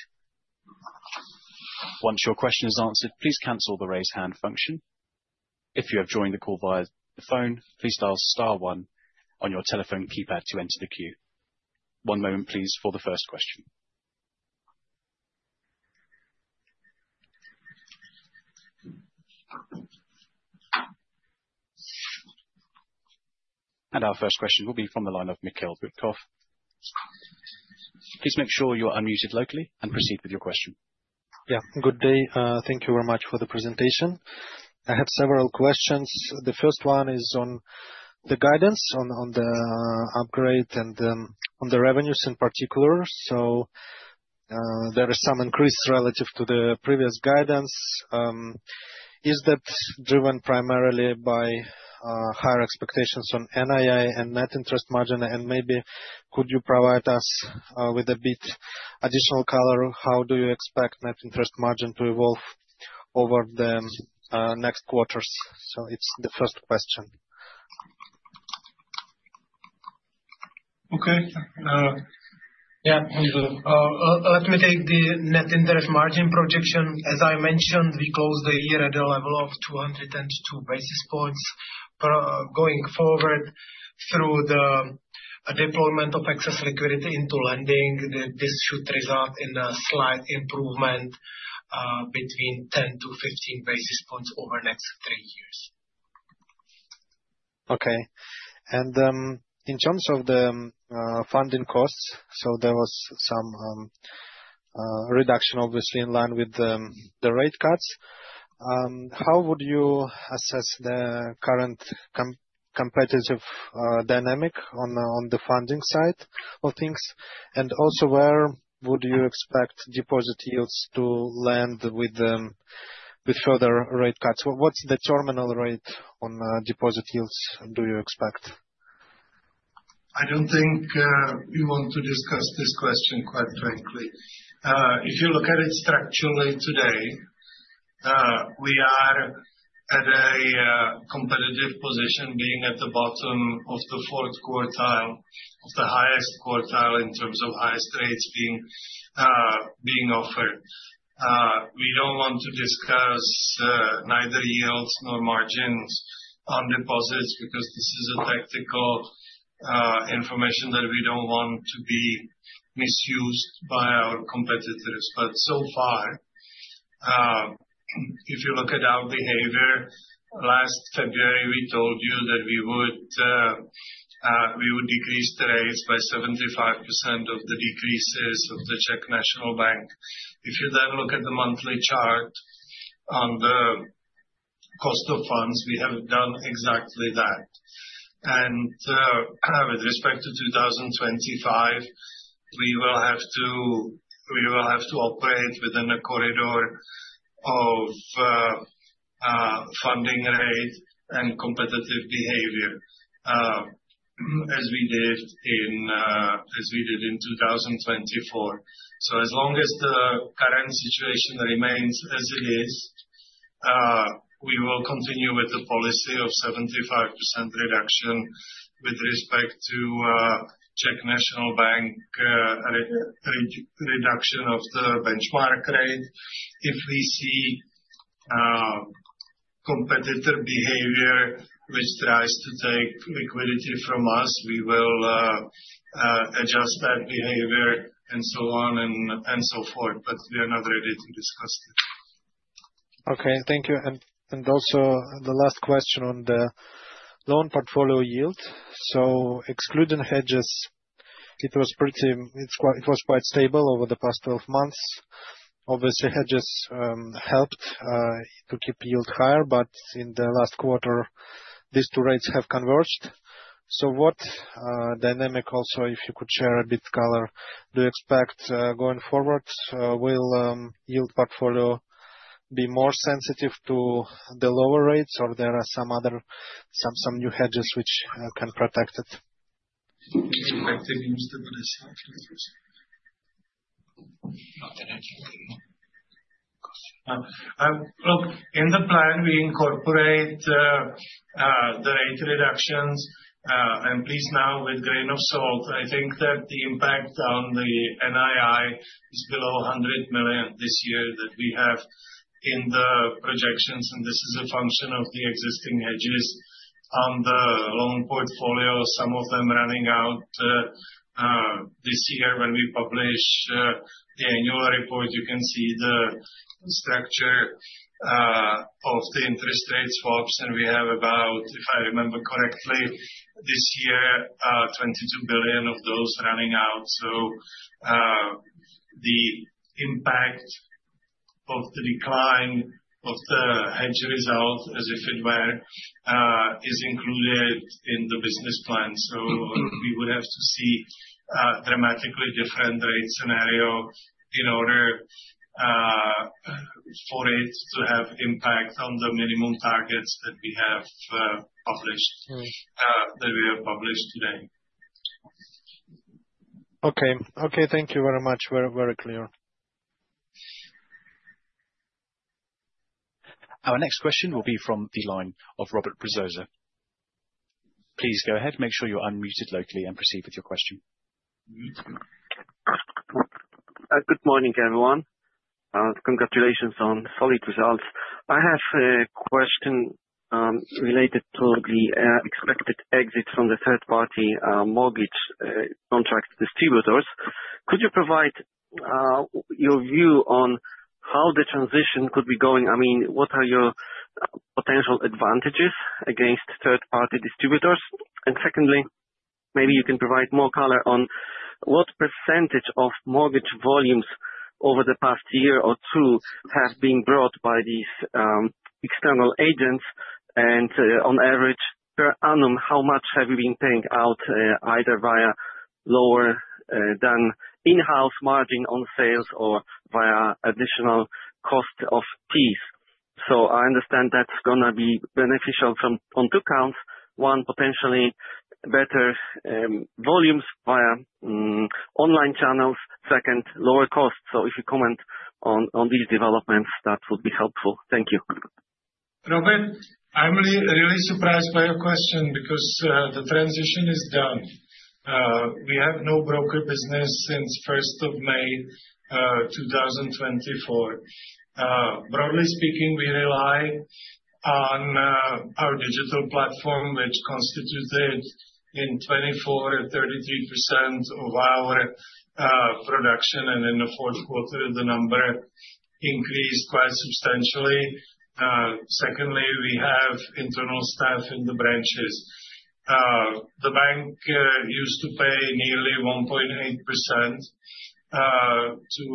S1: Once your question is answered, please cancel the raise hand function. If you have joined the call via the phone, please dial star one on your telephone keypad to enter the queue. One moment, please, for the first question. And our first question will be from the line of Mikhail Butkov. Please make sure you are unmuted locally and proceed with your question. Yeah. Good day. Thank you very much for the presentation. I have several questions. The first one is on the guidance, on the upgrade and on the revenues in particular. So there is some increase relative to the previous guidance. Is that driven primarily by higher expectations on NII and net interest margin? And maybe could you provide us with a bit of additional color? How do you expect net interest margin to evolve over the next quarters? So it's the first question.
S3: Okay. Yeah. Let me take the net interest margin projection. As I mentioned, we closed the year at a level of 202 basis points. Going forward, through the deployment of excess liquidity into lending, this should result in a slight improvement between 10 to 15 basis points over the next three years. Okay. And in terms of the funding costs, so there was some reduction, obviously, in line with the rate cuts. How would you assess the current competitive dynamic on the funding side of things? And also, where would you expect deposit yields to land with further rate cuts? What's the terminal rate on deposit yields do you expect?
S2: I don't think we want to discuss this question quite frankly. If you look at it structurally today, we are at a competitive position, being at the bottom of the fourth quartile of the highest quartile in terms of highest rates being offered. We don't want to discuss neither yields nor margins on deposits because this is tactical information that we don't want to be misused by our competitors. But so far, if you look at our behavior, last February, we told you that we would decrease the rates by 75% of the decreases of the Czech National Bank. If you then look at the monthly chart on the cost of funds, we have done exactly that. And with respect to 2025, we will have to operate within a corridor of funding rate and competitive behavior as we did in 2024. So as long as the current situation remains as it is, we will continue with the policy of 75% reduction with respect to Czech National Bank reduction of the benchmark rate. If we see competitor behavior which tries to take liquidity from us, we will adjust that behavior and so on and so forth. But we are not ready to discuss it. Okay. Thank you. And also, the last question on the loan portfolio yield. So excluding hedges, it was quite stable over the past 12 months. Obviously, hedges helped to keep yield higher, but in the last quarter, these two rates have converged. What dynamic also, if you could share a bit of color, do you expect going forward? Will yield portfolio be more sensitive to the lower rates, or there are some new hedges which can protect it? In the plan, we incorporate the rate reductions. And please take it with a grain of salt. I think that the impact on the NII is below 100 million this year that we have in the projections. And this is a function of the existing hedges on the loan portfolio, some of them running out this year. When we publish the annual report, you can see the structure of the interest rate swaps. And we have about, if I remember correctly, this year, 22 billion of those running out. The impact of the decline of the hedge result, as if it were, is included in the business plan. So we would have to see a dramatically different rate scenario in order for it to have impact on the minimum targets that we have published, that we have published today. Okay. Okay. Thank you very much. Very clear.
S1: Our next question will be from the line of Robert Brzoza. Please go ahead. Make sure you're unmuted locally and proceed with your question. Good morning, everyone. Congratulations on solid results. I have a question related to the expected exit from the third-party mortgage contract distributors. Could you provide your view on how the transition could be going? I mean, what are your potential advantages against third-party distributors? And secondly, maybe you can provide more color on what percentage of mortgage volumes over the past year or two have been brought by these external agents? And on average, per annum, how much have you been paying out either via lower than in-house margin on sales or via additional cost of fees? So I understand that's going to be beneficial on two counts. One, potentially better volumes via online channels. Second, lower costs. So if you comment on these developments, that would be helpful. Thank you.
S2: Robert, I'm really surprised by your question because the transition is done. We have no broker business since 1st of May 2024. Broadly speaking, we rely on our digital platform, which constituted in 2024, 33% of our production. And in the fourth quarter, the number increased quite substantially. Secondly, we have internal staff in the branches. The bank used to pay nearly 1.8% to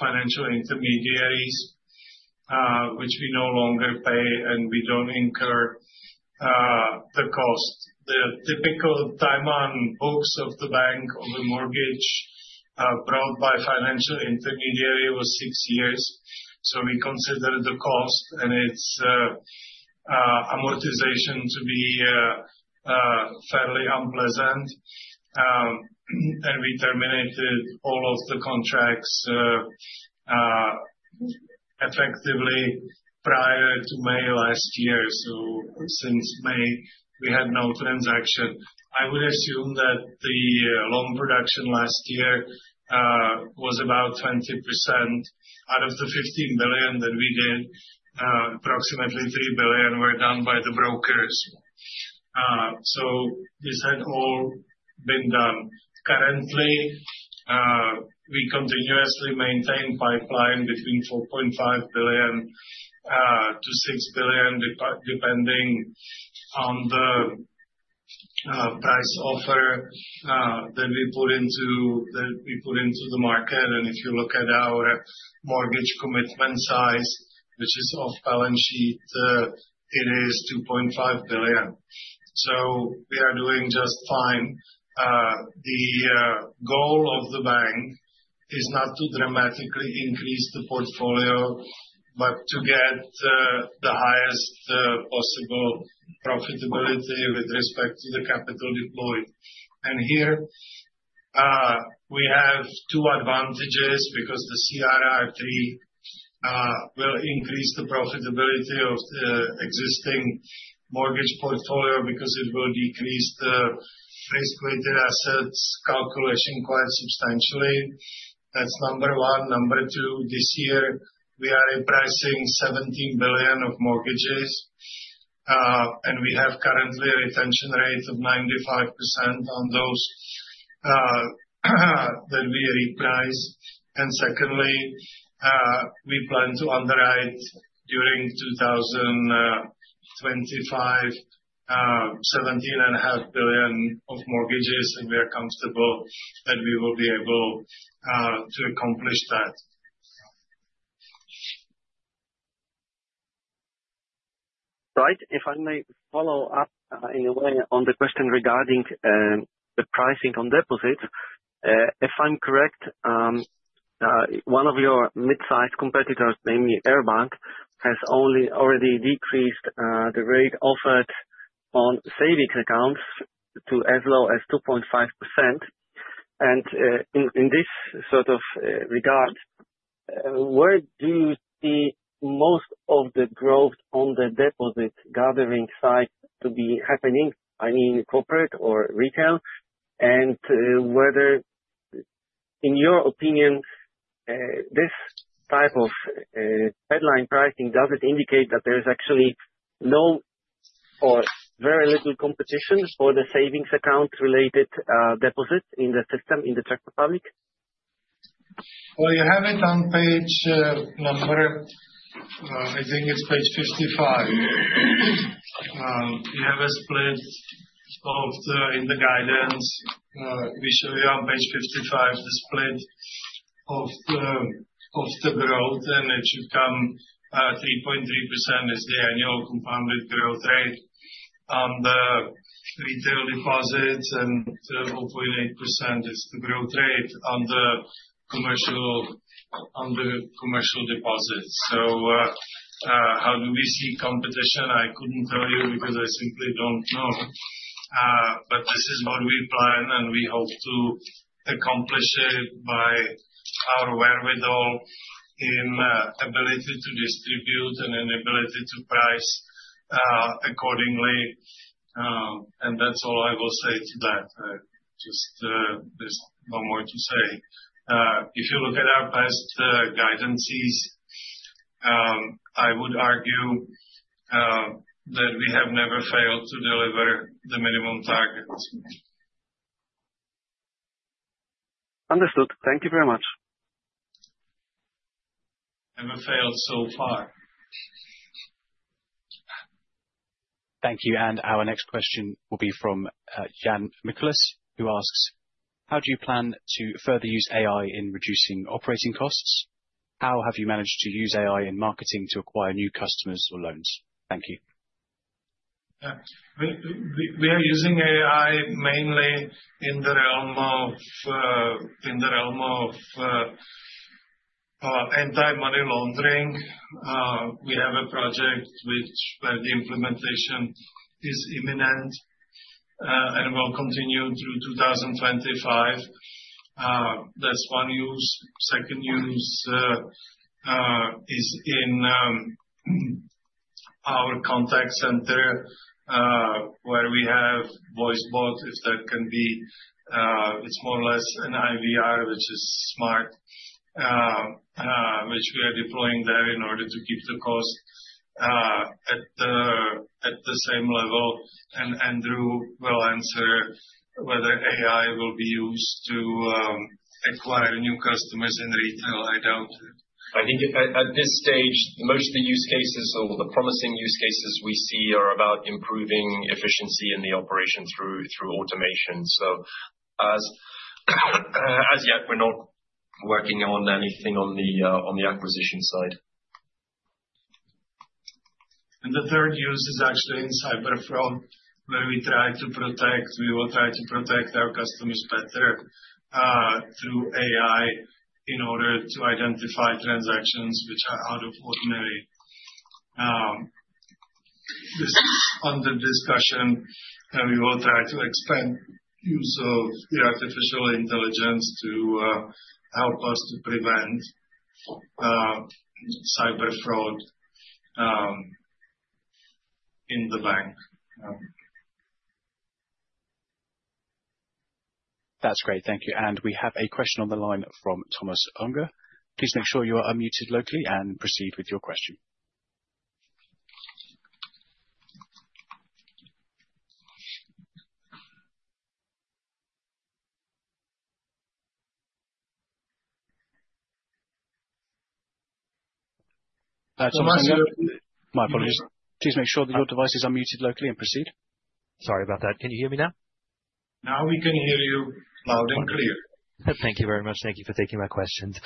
S2: financial intermediaries, which we no longer pay, and we don't incur the cost. The typical time on books of the bank of a mortgage brought by financial intermediary was six years, so we consider the cost and its amortization to be fairly unpleasant, and we terminated all of the contracts effectively prior to May last year, so since May, we had no transaction. I would assume that the loan production last year was about 20%. Out of the 15 billion that we did, approximately 3 billion were done by the brokers, so this had all been done. Currently, we continuously maintain pipeline between 4.5 billion to 6 billion, depending on the price offer that we put into the market, and if you look at our mortgage commitment size, which is off balance sheet, it is 2.5 billion, so we are doing just fine. The goal of the bank is not to dramatically increase the portfolio, but to get the highest possible profitability with respect to the capital deployed. Here, we have two advantages because the CRR3 will increase the profitability of the existing mortgage portfolio because it will decrease the risk-weighted assets calculation quite substantially. That's number one. Number two, this year, we are repricing 17 billion of mortgages. We have currently a retention rate of 95% on those that we reprice. Secondly, we plan to underwrite during 2025, 17.5 billion of mortgages. We are comfortable that we will be able to accomplish that. Right. If I may follow up in a way on the question regarding the pricing on deposits, if I'm correct, one of your mid-size competitors, namely Air Bank, has already decreased the rate offered on savings accounts to as low as 2.5%. And in this sort of regard, where do you see most of the growth on the deposit gathering side to be happening? I mean, corporate or retail? And whether, in your opinion, this type of headline pricing does it indicate that there is actually no or very little competition for the savings account-related deposit in the system, in the Czech Republic? Well, you have it on page number. I think it's page 55. You have a split of the in the guidance. We show you on page 55 the split of the growth. And it should come. 3.3% is the annual compounded growth rate on the retail deposits. And 4.8% is the growth rate on the commercial deposits. So how do we see competition? I couldn't tell you because I simply don't know. But this is what we plan. And we hope to accomplish it by our wherewithal in ability to distribute and inability to price accordingly. And that's all I will say to that. Just there's no more to say. If you look at our past guidances, I would argue that we have never failed to deliver the minimum targets. Understood. Thank you very much. Never failed so far. Thank you.
S1: And our next question will be from Jan Mikuláš, who asks, "How do you plan to further use AI in reducing operating costs? How have you managed to use AI in marketing to acquire new customers or loans?" Thank you.
S2: We are using AI mainly in the realm of anti-money laundering. We have a project where the implementation is imminent and will continue through 2025. That's one use. Second use is in our contact center where we have voice bots, if that can be. It's more or less an IVR, which is smart, which we are deploying there in order to keep the cost at the same level. And Andrew will answer whether AI will be used to acquire new customers in retail. I doubt it. I think at this stage, most of the use cases or the promising use cases we see are about improving efficiency in the operation through automation. So as yet, we're not working on anything on the acquisition side. And the third use is actually in cyber fraud, where we will try to protect our customers better through AI in order to identify transactions which are out of the ordinary. This is under discussion. And we will try to expand use of the artificial intelligence to help us to prevent cyber fraud in the bank. That's great. Thank you.
S1: We have a question on the line from Thomas Unger. Please make sure you are unmuted locally and proceed with your question.
S2: Thanks, Thomas. My apologies. Please make sure that your device is unmuted locally and proceed. Sorry about that. Can you hear me now? Now we can hear you loud and clear. Thank you very much. Thank you for taking my questions.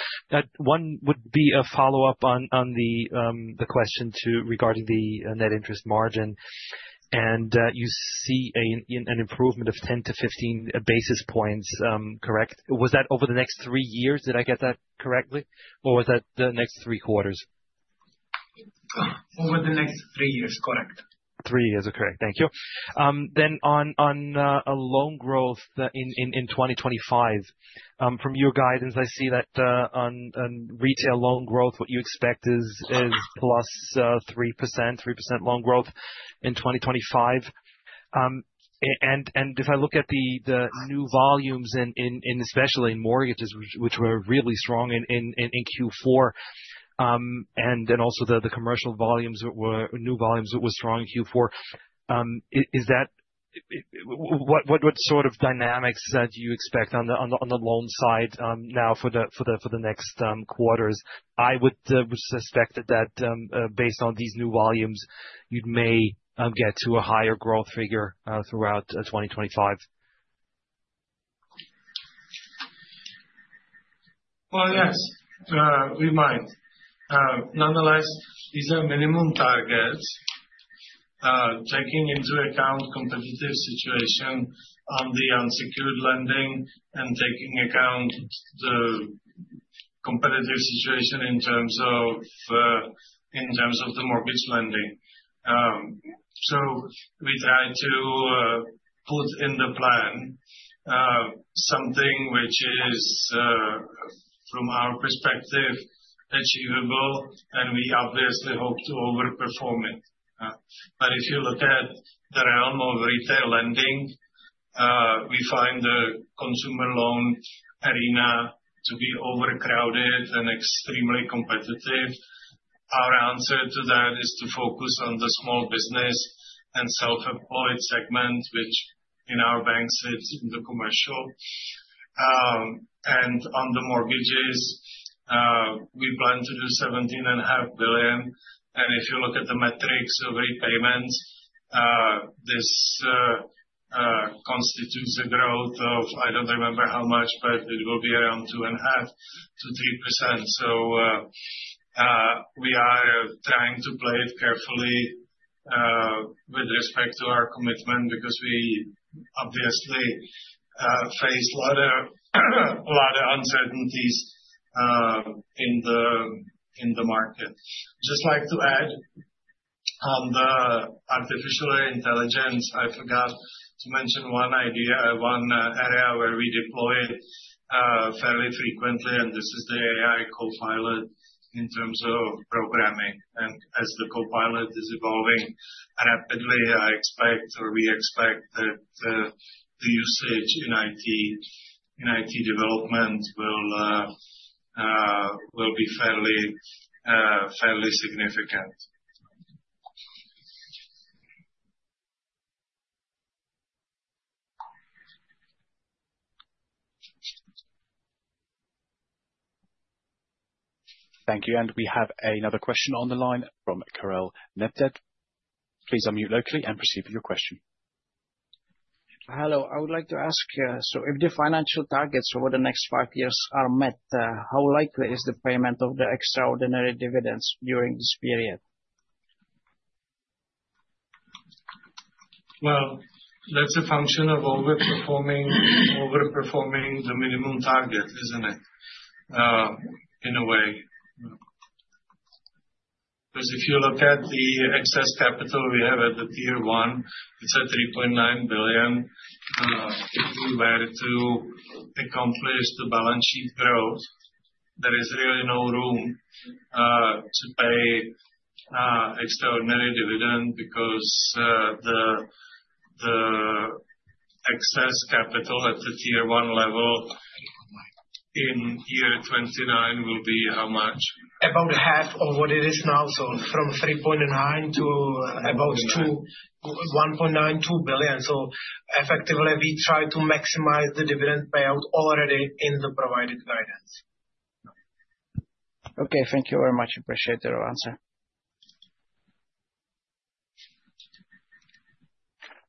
S2: One would be a follow-up on the question regarding the net interest margin. And you see an improvement of 10-15 basis points, correct? Was that over the next three years? Did I get that correctly? Or was that the next three quarters? Over the next three years, correct. Three years, okay. Thank you. On loan growth in 2025, from your guidance, I see that on retail loan growth, what you expect is plus 3%, 3% loan growth in 2025. And if I look at the new volumes, and especially in mortgages, which were really strong in Q4, and then also the commercial volumes were new volumes that were strong in Q4, is that what sort of dynamics that you expect on the loan side now for the next quarters? I would suspect that based on these new volumes, you may get to a higher growth figure throughout 2025. Well, yes, we might. Nonetheless, these are minimum targets, taking into account the competitive situation on the unsecured lending and taking into account the competitive situation in terms of the mortgage lending. So we try to put in the plan something which is, from our perspective, achievable. And we obviously hope to overperform it. But if you look at the realm of retail lending, we find the consumer loan arena to be overcrowded and extremely competitive. Our answer to that is to focus on the small business and self-employed segment, which in our bank sits in the commercial. And on the mortgages, we plan to do 17.5 billion. And if you look at the metrics of repayments, this constitutes a growth of I don't remember how much, but it will be around 2.5%-3%. So we are trying to play it carefully with respect to our commitment because we obviously face a lot of uncertainties in the market. Just like to add, on the artificial intelligence, I forgot to mention one idea, one area where we deploy it fairly frequently. And this is the AI Copilot in terms of programming. And as the Copilot is evolving rapidly, I expect or we expect that the usage in IT development will be fairly significant. Thank you.
S1: We have another question on the line from Kirill Nebytov. Please unmute locally and proceed with your question. Hello. I would like to ask, so if the financial targets over the next five years are met, how likely is the payment of the extraordinary dividends during this period?
S2: Well, that's a function of overperforming the minimum target, isn't it, in a way? Because if you look at the excess capital we have at the Tier 1, it's at 3.9 billion. If we were to accomplish the balance sheet growth, there is really no room to pay extraordinary dividend because the excess capital at the Tier 1 level in 2029 will be how much? About half of what it is now. So from 3.9 to about 1.92 billion. So effectively, we try to maximize the dividend payout already in the provided guidance. Okay. Thank you very much. Appreciate your answer.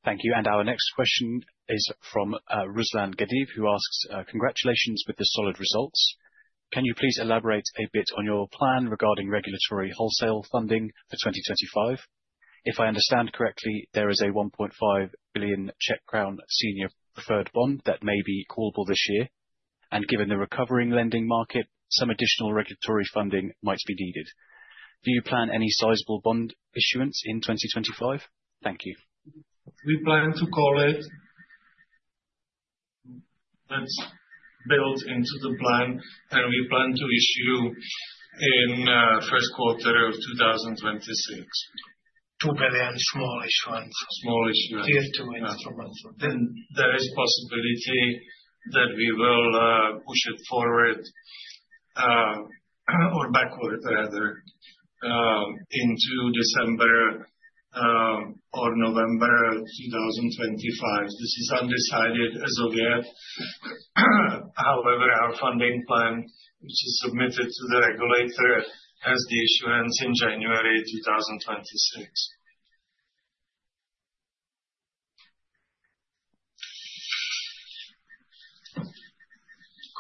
S1: Thank you. And our next question is from Ruslan Gadeev, who asks, "Congratulations with the solid results. Can you please elaborate a bit on your plan regarding regulatory wholesale funding for 2025? If I understand correctly, there is a 1.5 billion Czech crowns senior preferred bond that may be callable this year. And given the recovering lending market, some additional regulatory funding might be needed. Do you plan any sizable bond issuance in 2025?" Thank you.
S2: We plan to call it. That's built into the plan. We plan to issue in first quarter of 2026. CZK 2 billion small issuance. Small issuance. Tier 2 instruments. (crosstalk) Then there is possibility that we will push it forward or backward, rather, into December or November 2025. This is undecided as of yet. However, our funding plan, which is submitted to the regulator, has the issuance in January 2026.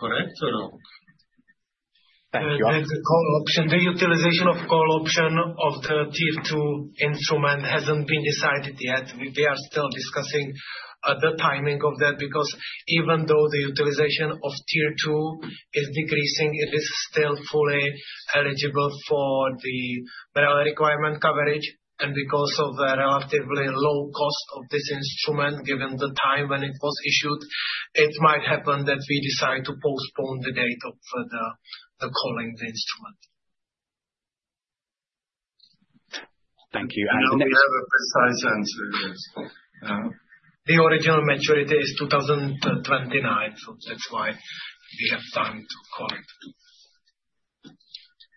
S2: Correct or not?
S4: Thank you. And the utilization of call option of the Tier 2 instrument hasn't been decided yet. We are still discussing the timing of that because even though the utilization of Tier 2 is decreasing, it is still fully eligible for the requirement coverage. And because of the relatively low cost of this instrument, given the time when it was issued, it might happen that we decide to postpone the date of calling the instrument. Thank you. And the next. (crosstalk) And we have a precise answer, yes. The original maturity is 2029. So that's why we have time to call it.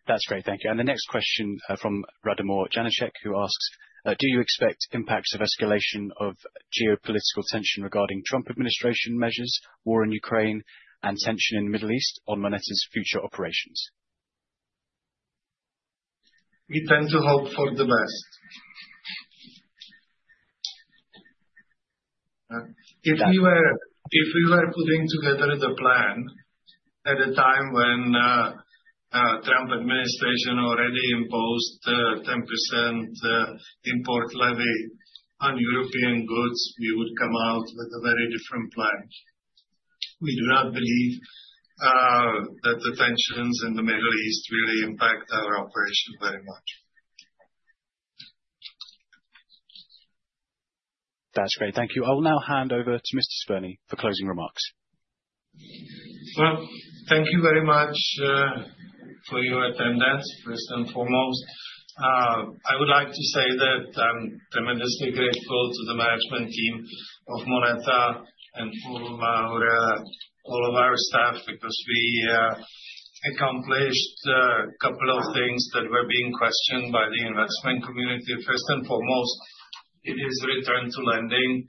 S1: That's great. Thank you. The next question from Radomír Janeček, who asks, "Do you expect impacts of escalation of geopolitical tension regarding Trump administration measures, war in Ukraine, and tension in the Middle East on MONETA's future operations?"
S2: We tend to hope for the best.
S4: If we were putting together the plan at a time when the Trump administration already imposed 10% import levy on European goods, we would come out with a very different plan. We do not believe that the tensions in the Middle East really impact our operation very much.
S1: That's great. Thank you. I will now hand over to Mr. Spurný for closing remarks.
S2: Thank you very much for your attendance, first and foremost. I would like to say that I'm tremendously grateful to the management team of MONETA and all of our staff because we accomplished a couple of things that were being questioned by the investment community. First and foremost, it is return to lending.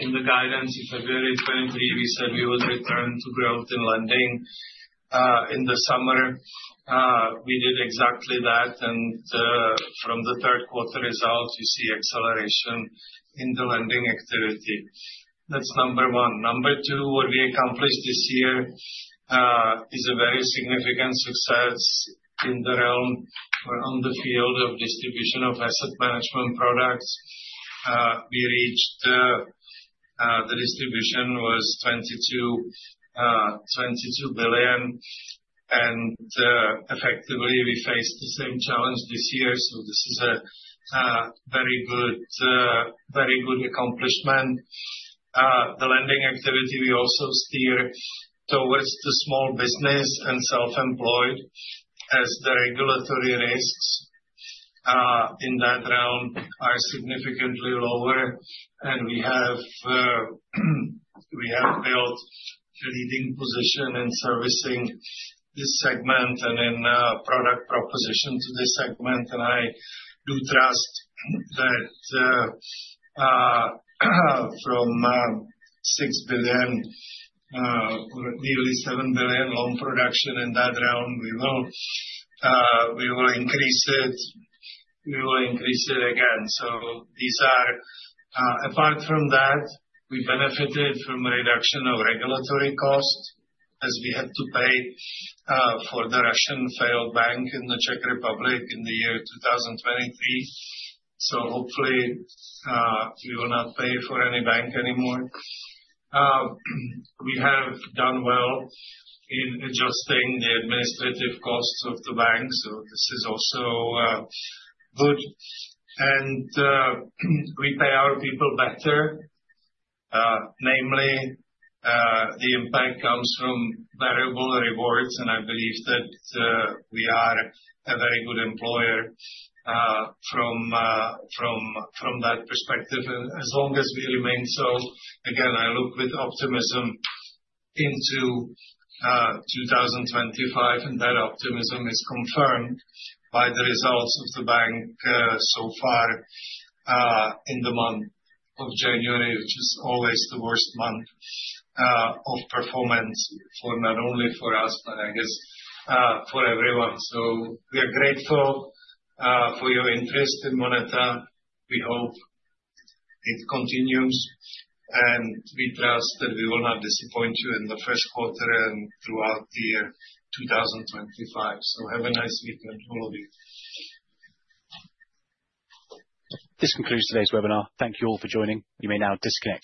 S2: In the guidance in February 2023, we said we would return to growth in lending in the summer. We did exactly that. From the third quarter results, you see acceleration in the lending activity. That's number one. Number two, what we accomplished this year is a very significant success in the realm or on the field of distribution of asset management products. We reached the distribution was 22 billion. Effectively, we faced the same challenge this year. This is a very good accomplishment. The lending activity we also steer towards the small business and self-employed as the regulatory risks in that realm are significantly lower. And we have built a leading position in servicing this segment and in product proposition to this segment. And I do trust that from 6 billion CZK, nearly 7 billion CZK loan production in that realm, we will increase it. We will increase it again. These are apart from that, we benefited from a reduction of regulatory costs as we had to pay for the Russian failed bank in the Czech Republic in the year 2023. So hopefully, we will not pay for any bank anymore. We have done well in adjusting the administrative costs of the bank. So this is also good. And we pay our people better. Namely, the impact comes from variable rewards. I believe that we are a very good employer from that perspective as long as we remain so. Again, I look with optimism into 2025. That optimism is confirmed by the results of the bank so far in the month of January, which is always the worst month of performance for not only for us, but I guess for everyone. We are grateful for your interest in MONETA. We hope it continues. We trust that we will not disappoint you in the first quarter and throughout the year 2025. Have a nice weekend, all of you. This concludes today's webinar. Thank you all for joining. You may now disconnect.